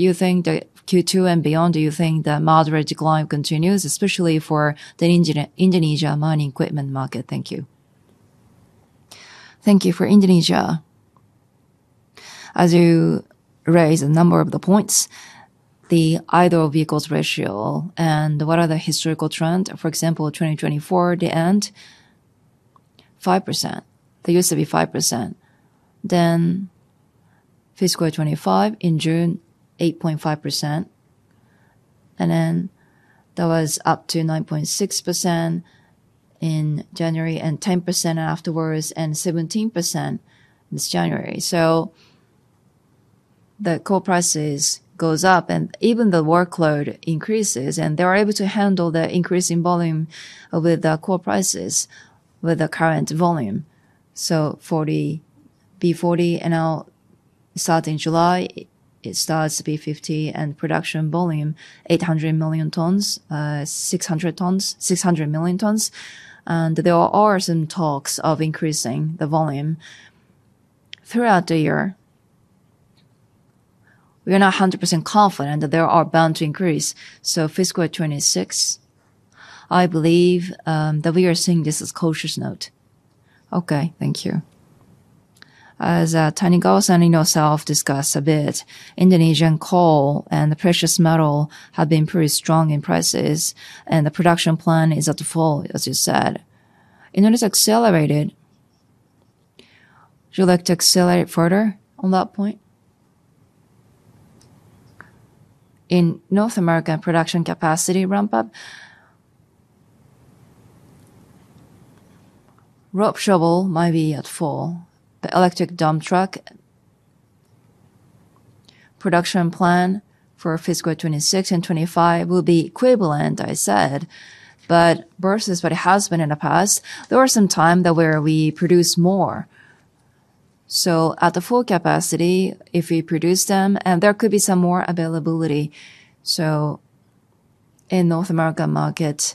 You think that Q2 and beyond, do you think the moderate decline continues, especially for the Indonesia mining equipment market? Thank you. Thank you. For Indonesia, as you raise a number of the points, the idle vehicles ratio and what are the historical trend? For example, 2024, the end, 5%. They used to be 5%. Fiscal 2025, in June, 8.5%. That was up to 9.6% in January and 10% afterwards and 17% this January. The coal prices goes up and even the workload increases, and they're able to handle the increasing volume with the coal prices with the current volume. 40, B40, and now starting July, it starts B50 and production volume 800 million tons, 600 tons, 600 million tons. There are some talks of increasing the volume throughout the year. We are not 100% confident that there are bound to increase. Fiscal 2026, I believe, that we are seeing this as cautious note. Okay. Thank you. As Tanigawa-san and yourself discussed a bit, Indonesian coal and the precious metal have been pretty strong in prices, and the production plan is at full, as you said. It's accelerated. Would you like to accelerate further on that point? In North America, production capacity ramp up. Rope shovel might be at full. The electric dump truck production plan for fiscal 2026 and 2025 will be equivalent, I said. Versus what it has been in the past, there were some time that where we produced more. At the full capacity, if we produce them, and there could be some more availability. In North America market,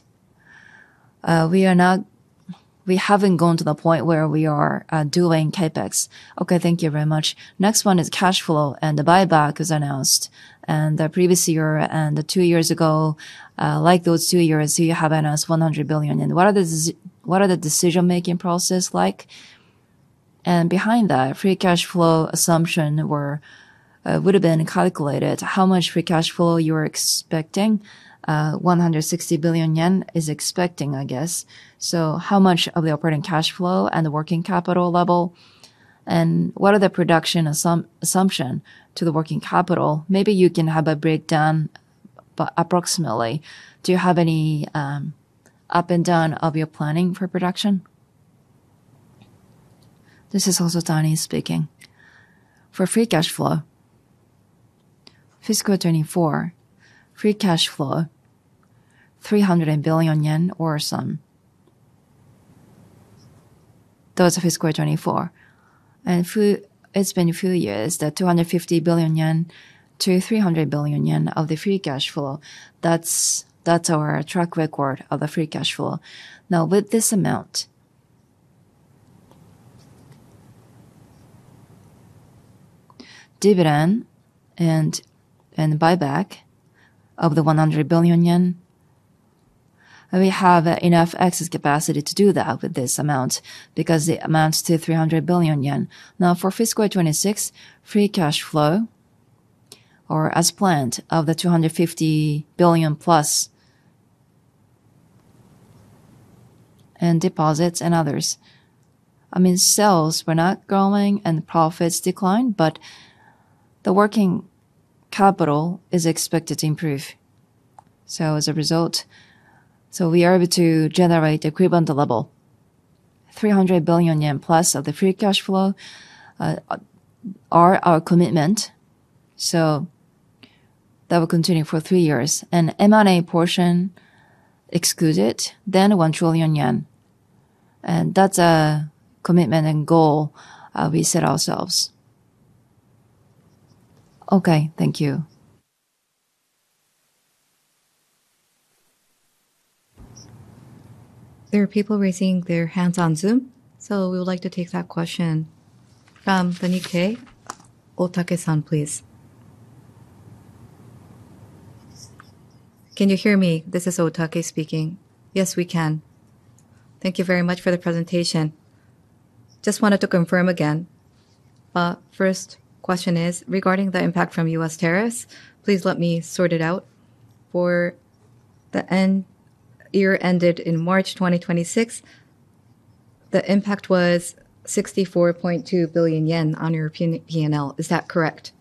we haven't gotten to the point where we are doing CapEx. Okay. Thank you very much. Next one is cash flow. The buyback is announced. The previous year and the two years ago, like those two years, you have announced 100 billion. What are the decision-making process like? Behind that free cash flow assumption were, would have been calculated how much free cash flow you're expecting. 160 billion yen is expecting, I guess. How much of the operating cash flow and the working capital level, and what are the production assumption to the working capital? Maybe you can have a breakdown approximately. Do you have any up and down of your planning for production? This is Hosotani speaking. For free cash flow, fiscal 2024, free cash flow, 300 billion yen or some. That was fiscal 2024. It's been a few years that 250 billion yen to 300 billion yen of the free cash flow. That's our track record of the free cash flow. With this amount, dividend and buyback of 100 billion yen, we have enough excess capacity to do that with this amount because it amounts to 300 billion yen. For FY 2026, free cash flow or as planned of 250 billion+ and deposits and others. I mean, sales were not growing and profits declined, but the working capital is expected to improve. As a result, we are able to generate equivalent level, 300 billion yen+ of the free cash flow, are our commitment. That will continue for three years. M&A portion excluded, then 1 trillion yen. That's a commitment and goal we set ourselves. Okay. Thank you. There are people raising their hands on Zoom, so we would like to take that question from the Nikkei. Otake-san, please. Can you hear me? This is Otake speaking. Yes, we can. Thank you very much for the presentation. Just wanted to confirm again. First question is regarding the impact from U.S. tariffs. Please let me sort it out. For the year ended in March 2026, the impact was 64.2 billion yen on your P&L, is that correct?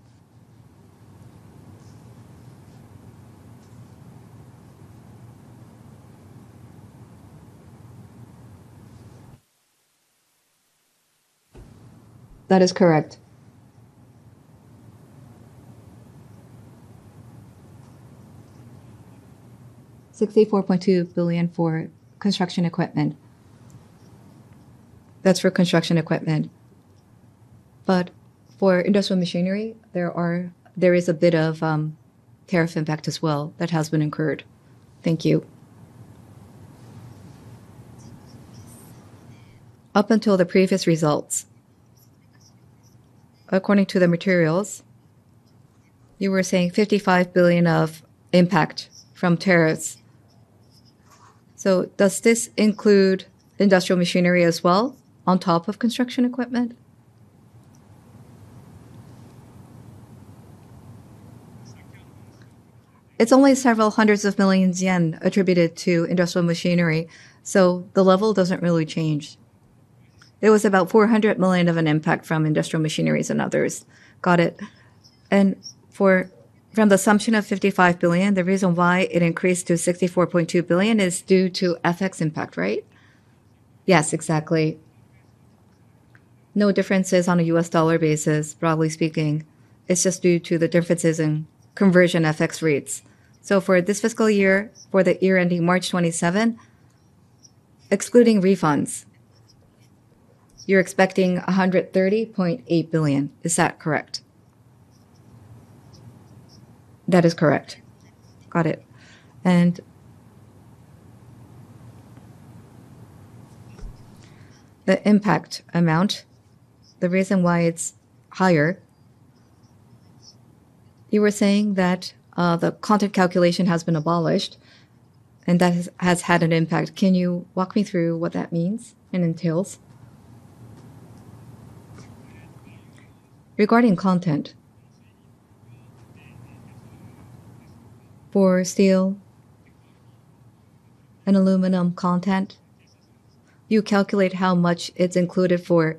That is correct. JPY 64.2 billion for construction equipment. That's for construction equipment. For industrial machinery, there is a bit of tariff impact as well that has been incurred. Thank you. Up until the previous results, according to the materials, you were saying 55 billion of impact from tariffs. Does this include industrial machinery as well on top of construction equipment? It's only several hundreds of millions JPY attributed to industrial machinery, so the level doesn't really change. It was about 400 million of an impact from industrial machineries and others. Got it. From the assumption of 55 billion, the reason why it increased to 64.2 billion is due to FX impact, right? Yes, exactly. No differences on a U.S. dollar basis, broadly speaking. It's just due to the differences in conversion FX rates. For this fiscal year, for the year-ending March 2027, excluding refunds, you're expecting 130.8 billion. Is that correct? That is correct. Got it. The impact amount, the reason why it's higher, you were saying that the content calculation has been abolished, and that has had an impact. Can you walk me through what that means and entails? Regarding content. For steel and aluminum content, you calculate how much it's included for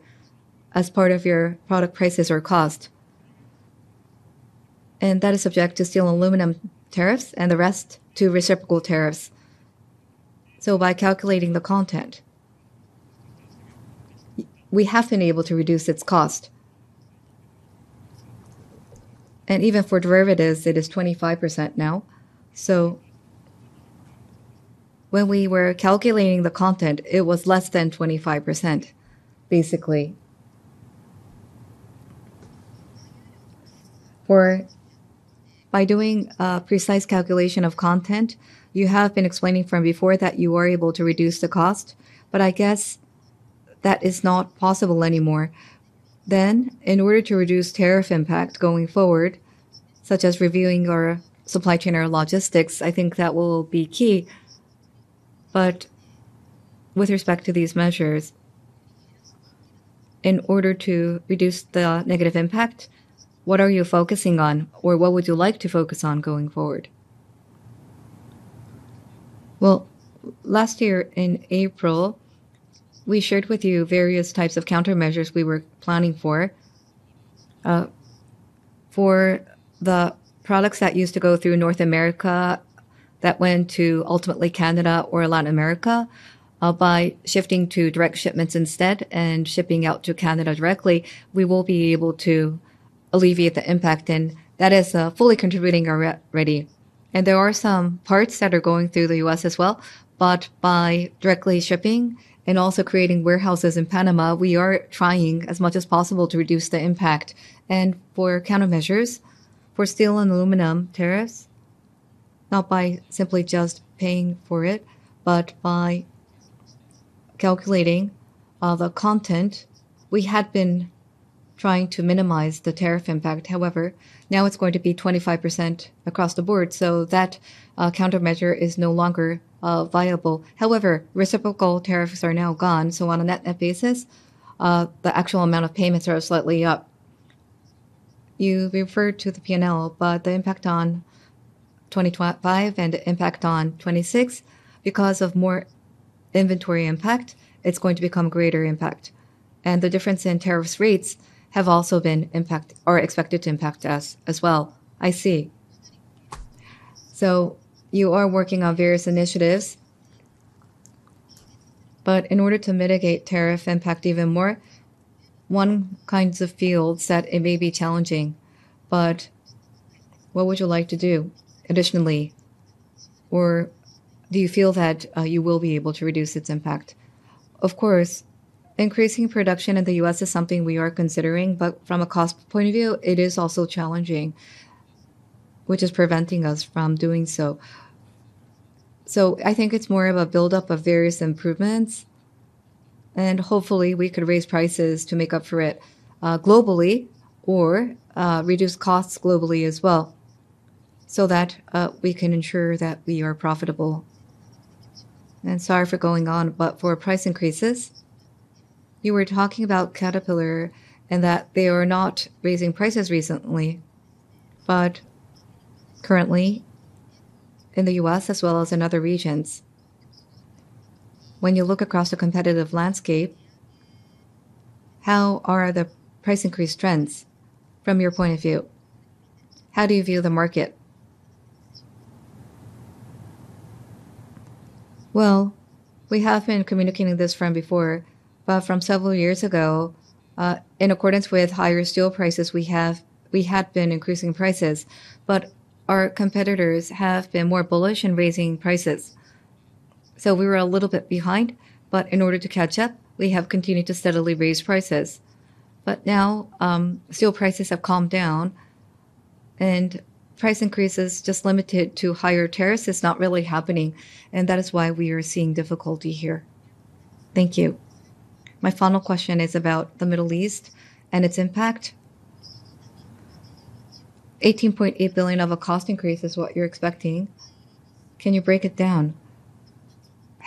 as part of your product prices or cost. That is subject to steel and aluminum tariffs, and the rest to reciprocal tariffs. By calculating the content, we have been able to reduce its cost. Even for derivatives, it is 25% now. When we were calculating the content, it was less than 25%, basically. By doing a precise calculation of content, you have been explaining from before that you are able to reduce the cost. I guess that is not possible anymore. In order to reduce tariff impact going forward, such as reviewing our supply chain, our logistics, I think that will be key. With respect to these measures, in order to reduce the negative impact, what are you focusing on, or what would you like to focus on going forward? Last year in April, we shared with you various types of countermeasures we were planning for. For the products that used to go through North America that went to ultimately Canada or Latin America, by shifting to direct shipments instead and shipping out to Canada directly, we will be able to alleviate the impact, and that is fully contributing already. There are some parts that are going through the U.S. as well, but by directly shipping and also creating warehouses in Panama, we are trying as much as possible to reduce the impact. For countermeasures, for steel and aluminum tariffs, not by simply just paying for it, but by calculating the content, we had been trying to minimize the tariff impact. Now it's going to be 25% across the board, so that countermeasure is no longer viable. Reciprocal tariffs are now gone, so on a net-net basis, the actual amount of payments are slightly up. You referred to the P&L, the impact on 2025 and impact on 2026, because of more inventory impact, it's going to become greater impact. The difference in tariffs rates have also been are expected to impact us as well. I see. You are working on various initiatives. In order to mitigate tariff impact even more, one kinds of feels that it may be challenging, but what would you like to do additionally? Do you feel that you will be able to reduce its impact? Of course, increasing production in the U.S. is something we are considering, but from a cost point of view, it is also challenging, which is preventing us from doing so. I think it's more of a build-up of various improvements, and hopefully we could raise prices to make up for it globally or reduce costs globally as well, so that we can ensure that we are profitable. Sorry for going on, but for price increases, you were talking about Caterpillar and that they are not raising prices recently. Currently in the U.S. as well as in other regions, when you look across the competitive landscape, how are the price increase trends from your point of view? How do you view the market? We have been communicating this from before. From several years ago, in accordance with higher steel prices, we had been increasing prices. Our competitors have been more bullish in raising prices. We were a little bit behind. In order to catch up, we have continued to steadily raise prices. Now, steel prices have calmed down and price increases just limited to higher tariffs is not really happening, and that is why we are seeing difficulty here. Thank you. My final question is about the Middle East and its impact. 18.8 billion of a cost increase is what you are expecting. Can you break it down?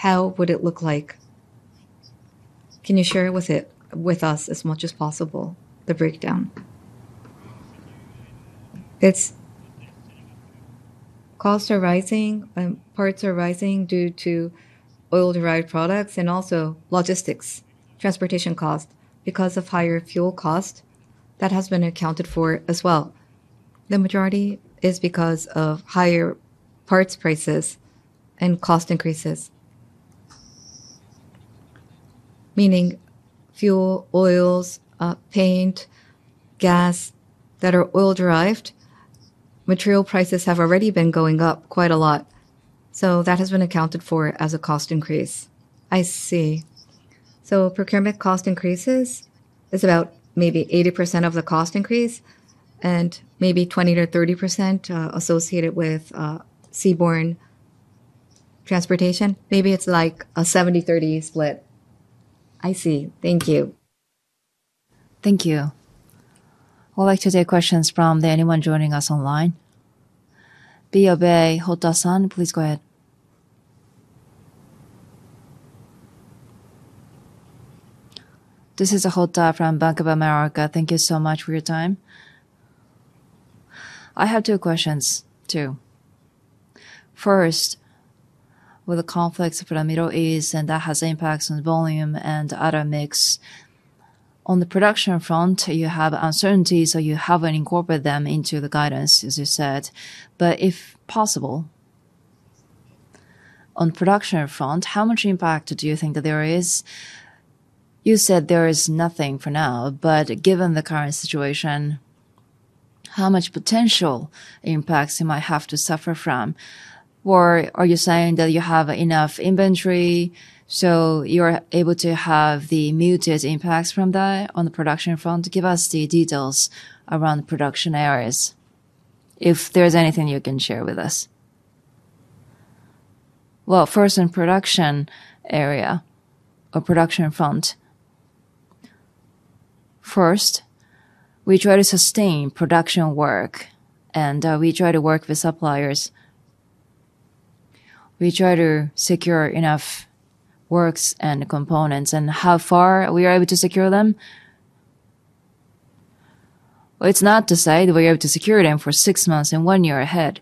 How would it look like? Can you share with us as much as possible, the breakdown? Costs are rising and parts are rising due to oil-derived products and also logistics, transportation costs because of higher fuel cost that has been accounted for as well. The majority is because of higher parts prices and cost increases. Meaning fuel, oils, paint, gas that are oil-derived. Material prices have already been going up quite a lot, that has been accounted for as a cost increase. I see. Procurement cost increases is about maybe 80% of the cost increase and maybe 20%-30% associated with seaborne transportation. Maybe it's like a 70/30 split. I see. Thank you. Thank you. I would like to take questions from anyone joining us online. BofA, Hotta-san, please go ahead. This is Hotta from Bank of America. Thank you so much for your time. I have two questions, too. With the conflicts for the Middle East, that has impacts on volume and other mix. On the production front, you have uncertainties, you haven't incorporated them into the guidance, as you said. If possible, on production front, how much impact do you think that there is? You said there is nothing for now, given the current situation, how much potential impacts you might have to suffer from? Are you saying that you have enough inventory, you're able to have the muted impacts from that on the production front? Give us the details around the production areas, if there's anything you can share with us. Well, first in production area or production front. We try to sustain production work, we try to work with suppliers. We try to secure enough works and components. How far we are able to secure them? It's not to say that we're able to secure them for six months and one year ahead.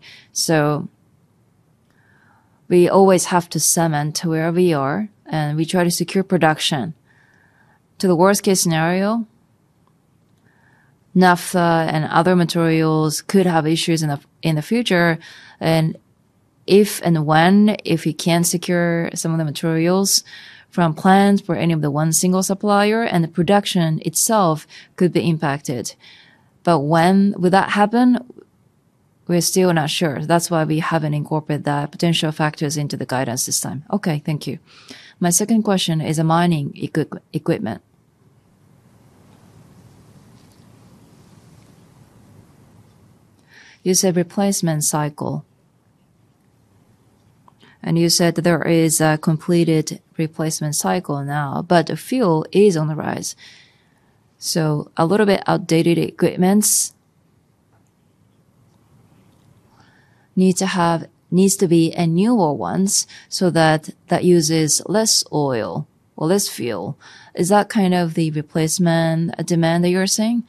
We always have to cement wherever we are, and we try to secure production. To the worst-case scenario, naphtha and other materials could have issues in the future. If and when, if we can't secure some of the materials from plants for any of the one single supplier and the production itself could be impacted. When will that happen? We're still not sure. That's why we haven't incorporated the potential factors into the guidance this time. Okay. Thank you. My second question is mining equipment. You said replacement cycle. You said there is a completed replacement cycle now, but fuel is on the rise. A little bit outdated equipments needs to be a newer ones so that uses less oil or less fuel. Is that kind of the replacement demand that you're saying?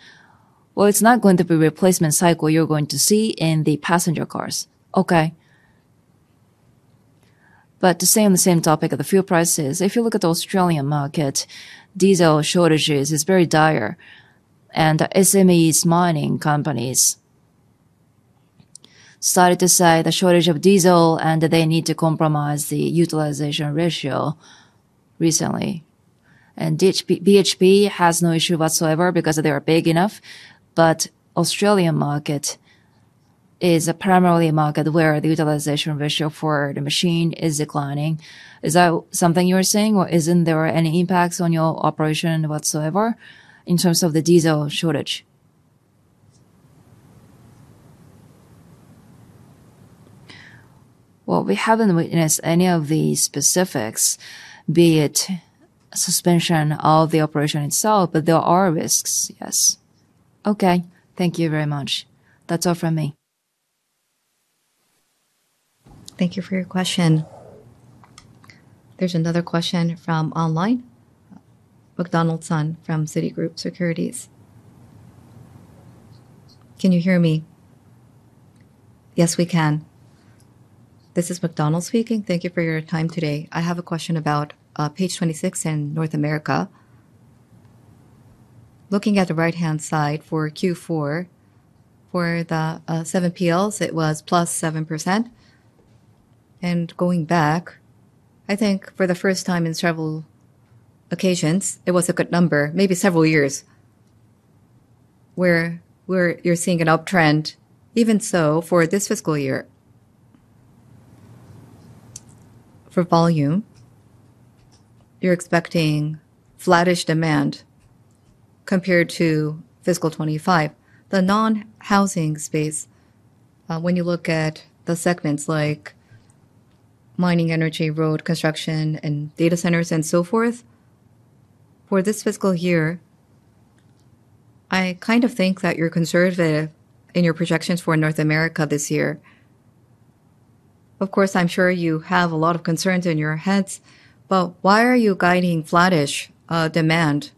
Well, it's not going to be replacement cycle you're going to see in the passenger cars. Okay. To stay on the same topic of the fuel prices, if you look at the Australian market, diesel shortages is very dire. SME mining companies Sorry to say, the shortage of diesel and they need to compromise the utilization ratio recently. BHP has no issue whatsoever because they are big enough. Australian market is primarily a market where the utilization ratio for the machine is declining. Is that something you are saying or isn't there any impacts on your operation whatsoever in terms of the diesel shortage? Well, we haven't witnessed any of the specifics, be it suspension of the operation itself, but there are risks, yes. Okay. Thank you very much. That is all from me. Thank you for your question. There's another question from online. McDonald-san from Citigroup Securities. Can you hear me? Yes, we can. This is McDonald speaking. Thank you for your time today. I have a question about page 26 in North America. Looking at the right-hand side for Q4, for the seven PLs, it was +7%. Going back, I think for the first time in several occasions, it was a good number, maybe several years, where you're seeing an uptrend. Even so, for this fiscal year, for volume, you're expecting flattish demand compared to fiscal 2025. The non-housing space, when you look at the segments like mining, energy, road construction, and data centers and so forth, for this fiscal year, I kind of think that you're conservative in your projections for North America this year. Of course, I'm sure you have a lot of concerns in your heads, why are you guiding flattish demand?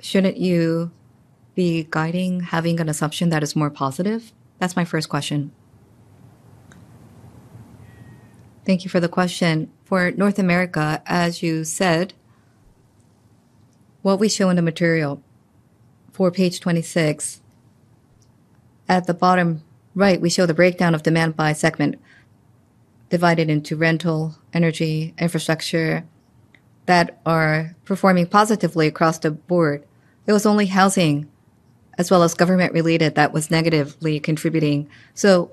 Shouldn't you be guiding, having an assumption that is more positive? That's my first question. Thank you for the question. For North America, as you said, what we show in the material for page 26, at the bottom right, we show the breakdown of demand by segment divided into rental, energy, infrastructure that are performing positively across the board. It was only housing as well as government related that was negatively contributing.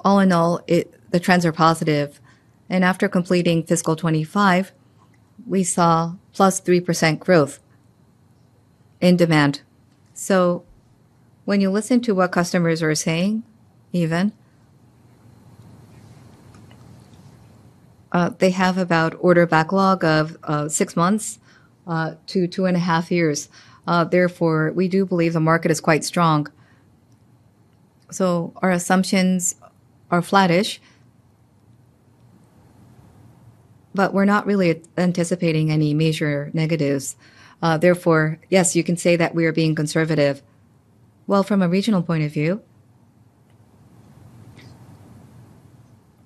All in all, the trends are positive. After completing FY 2025, we saw +3% growth in demand. When you listen to what customers are saying even, they have about order backlog of six months to 2.5 years. We do believe the market is quite strong. Our assumptions are flattish, but we're not really anticipating any major negatives. Yes, you can say that we are being conservative. From a regional point of view,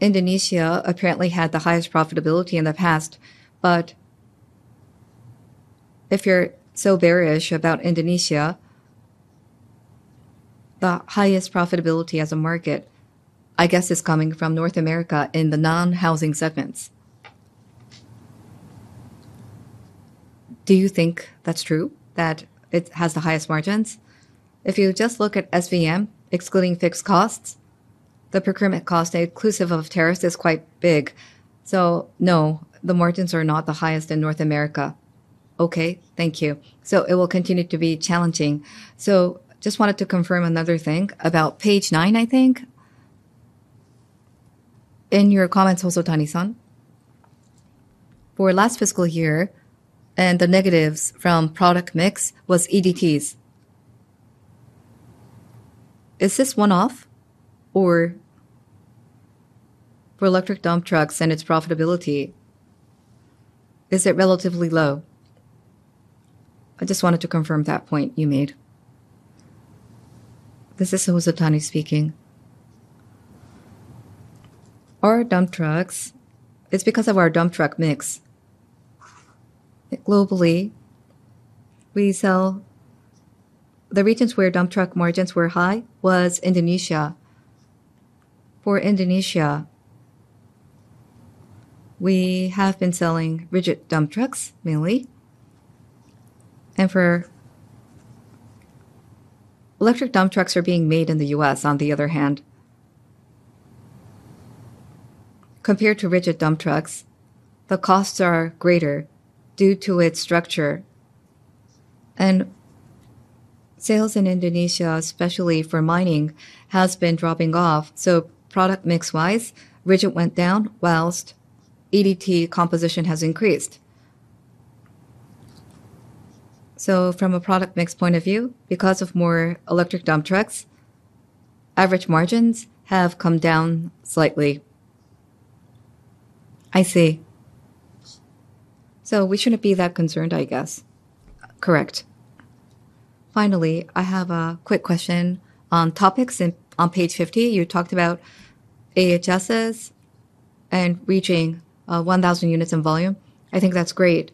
Indonesia apparently had the highest profitability in the past, but if you're so bearish about Indonesia, the highest profitability as a market, I guess, is coming from North America in the non-housing segments. Do you think that's true that it has the highest margins? If you just look at SVM, excluding fixed costs, the procurement cost inclusive of tariffs is quite big. No, the margins are not the highest in North America. Okay. Thank you. It will continue to be challenging. Just wanted to confirm another thing about page 9, I think. In your comments, Hosotani-san, for last fiscal year and the negatives from product mix was EDT's. Is this one-off or for electric dump trucks and its profitability, is it relatively low? I just wanted to confirm that point you made. This is Hosotani speaking. Our dump trucks, it's because of our dump truck mix. Globally, we sell. The regions where dump truck margins were high was Indonesia. For Indonesia, we have been selling rigid dump trucks mainly. For electric dump trucks are being made in the U.S. on the other hand. Compared to rigid dump trucks, the costs are greater due to its structure. Sales in Indonesia, especially for mining, has been dropping off. Product mix-wise, rigid went down whilst EDT composition has increased. From a product mix point of view, because of more electric dump trucks, average margins have come down slightly. I see. We shouldn't be that concerned, I guess. Correct. Finally, I have a quick question on topics and on page 50, you talked about AHS and reaching 1,000 units in volume. I think that's great.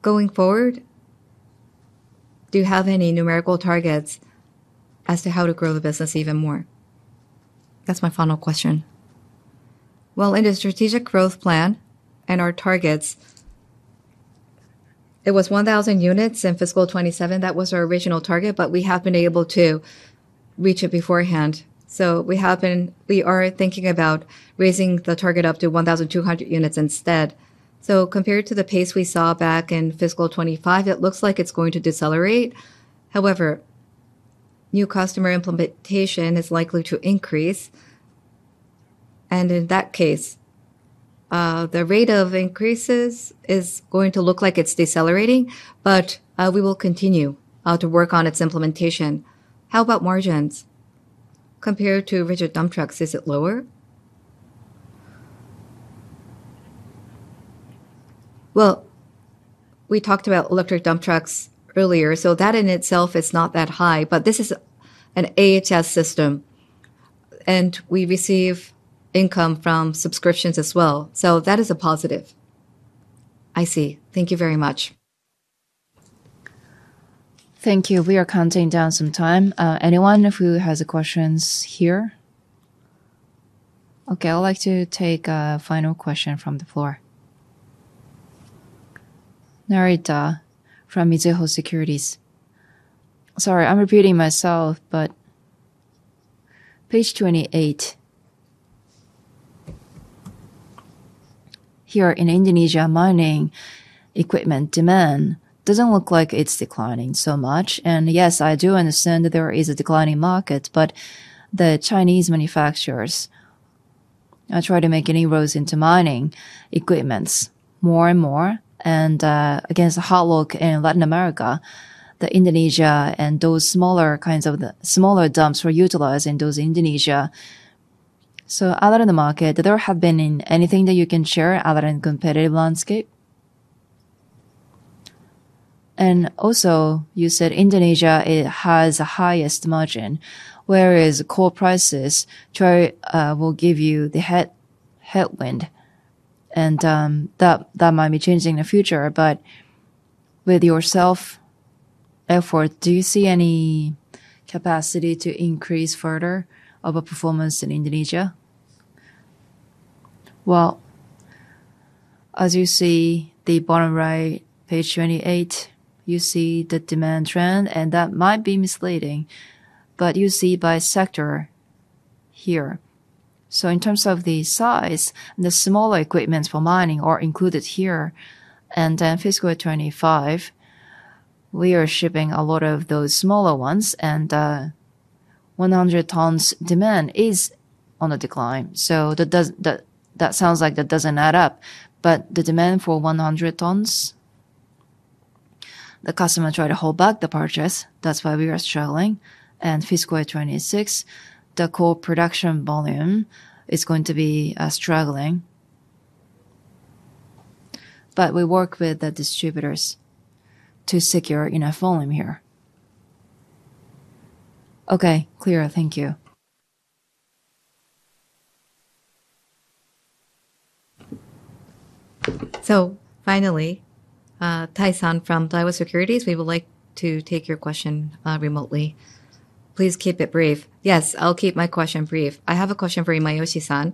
Going forward, do you have any numerical targets as to how to grow the business even more? That's my final question. Well, in the strategic growth plan and our targets, it was 1,000 units in fiscal 2027. That was our original target, but we have been able to reach it beforehand. We are thinking about raising the target up to 1,200 units instead. Compared to the pace we saw back in fiscal 2025, it looks like it's going to decelerate. However, new customer implementation is likely to increase, and in that case, the rate of increases is going to look like it's decelerating, but we will continue to work on its implementation. How about margins? Compared to rigid dump trucks, is it lower? Well, we talked about electric dump trucks earlier, so that in itself is not that high. This is an AHS system, and we receive income from subscriptions as well. That is a positive. I see. Thank you very much. Thank you. We are counting down some time. Anyone who has questions here? Okay, I would like to take a final question from the floor. Narita from Mizuho Securities. Sorry, I'm repeating myself, but page 28. Here in Indonesia, mining equipment demand doesn't look like it's declining so much. Yes, I do understand that there is a declining market, but the Chinese manufacturers are trying to make inroads into mining equipment more and more. Against the outlook in Latin America, the Indonesia and those smaller kinds of the smaller dumps were utilized in those Indonesia. Other than the market, there have been anything that you can share other than competitive landscape? Also, you said Indonesia, it has the highest margin, whereas coal prices try will give you the headwind and that might be changing in the future. With yourself, therefore, do you see any capacity to increase further over performance in Indonesia? As you see the bottom right, page 28, you see the demand trend, and that might be misleading, but you see by sector here. In terms of the size, the smaller equipment for mining are included here. FY 2025, we are shipping a lot of those smaller ones and 100 tons demand is on a decline. That sounds like that doesn't add up. The demand for 100 tons, the customer tried to hold back the purchase, that's why we are struggling. FY 2026, the coal production volume is going to be struggling. We work with the distributors to secure enough volume here. Okay. Clear. Thank you. Finally, Tai-san from Daiwa Securities, we would like to take your question, remotely. Please keep it brief. Yes, I'll keep my question brief. I have a question for Imayoshi-san.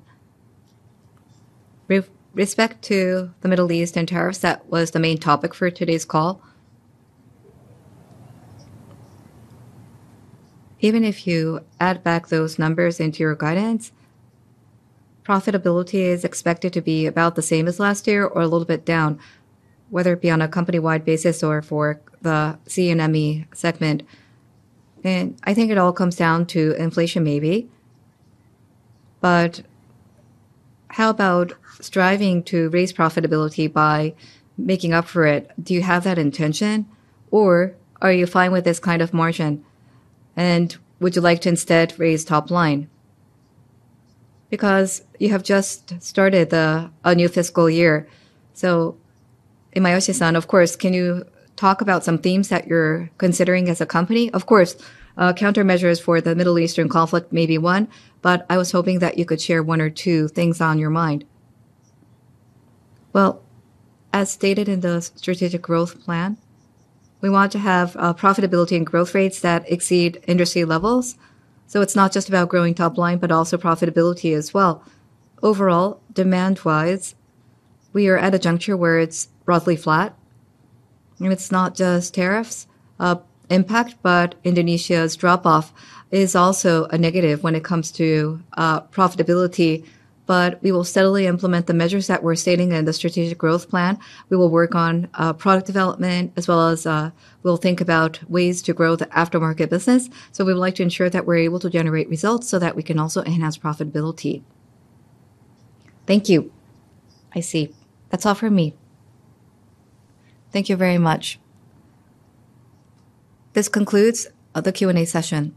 With respect to the Middle East and tariffs, that was the main topic for today's call. Even if you add back those numbers into your guidance, profitability is expected to be about the same as last year or a little bit down, whether it be on a company-wide basis or for the CNME segment. I think it all comes down to inflation maybe. How about striving to raise profitability by making up for it? Do you have that intention, or are you fine with this kind of margin? Would you like to instead raise top line? You have just started a new fiscal year. Imayoshi-san, of course, can you talk about some themes that you're considering as a company? Of course, countermeasures for the Middle Eastern conflict may be one. I was hoping that you could share one or two things on your mind. Well, as stated in the strategic growth plan, we want to have profitability and growth rates that exceed industry levels. It's not just about growing top line, but also profitability as well. Overall, demand-wise, we are at a juncture where it's broadly flat. It's not just tariffs impact. Indonesia's drop-off is also a negative when it comes to profitability. We will steadily implement the measures that we're stating in the strategic growth plan. We will work on product development as well as we'll think about ways to grow the aftermarket business. We would like to ensure that we're able to generate results so that we can also enhance profitability. Thank you. I see. That's all for me. Thank you very much. This concludes the Q&A session.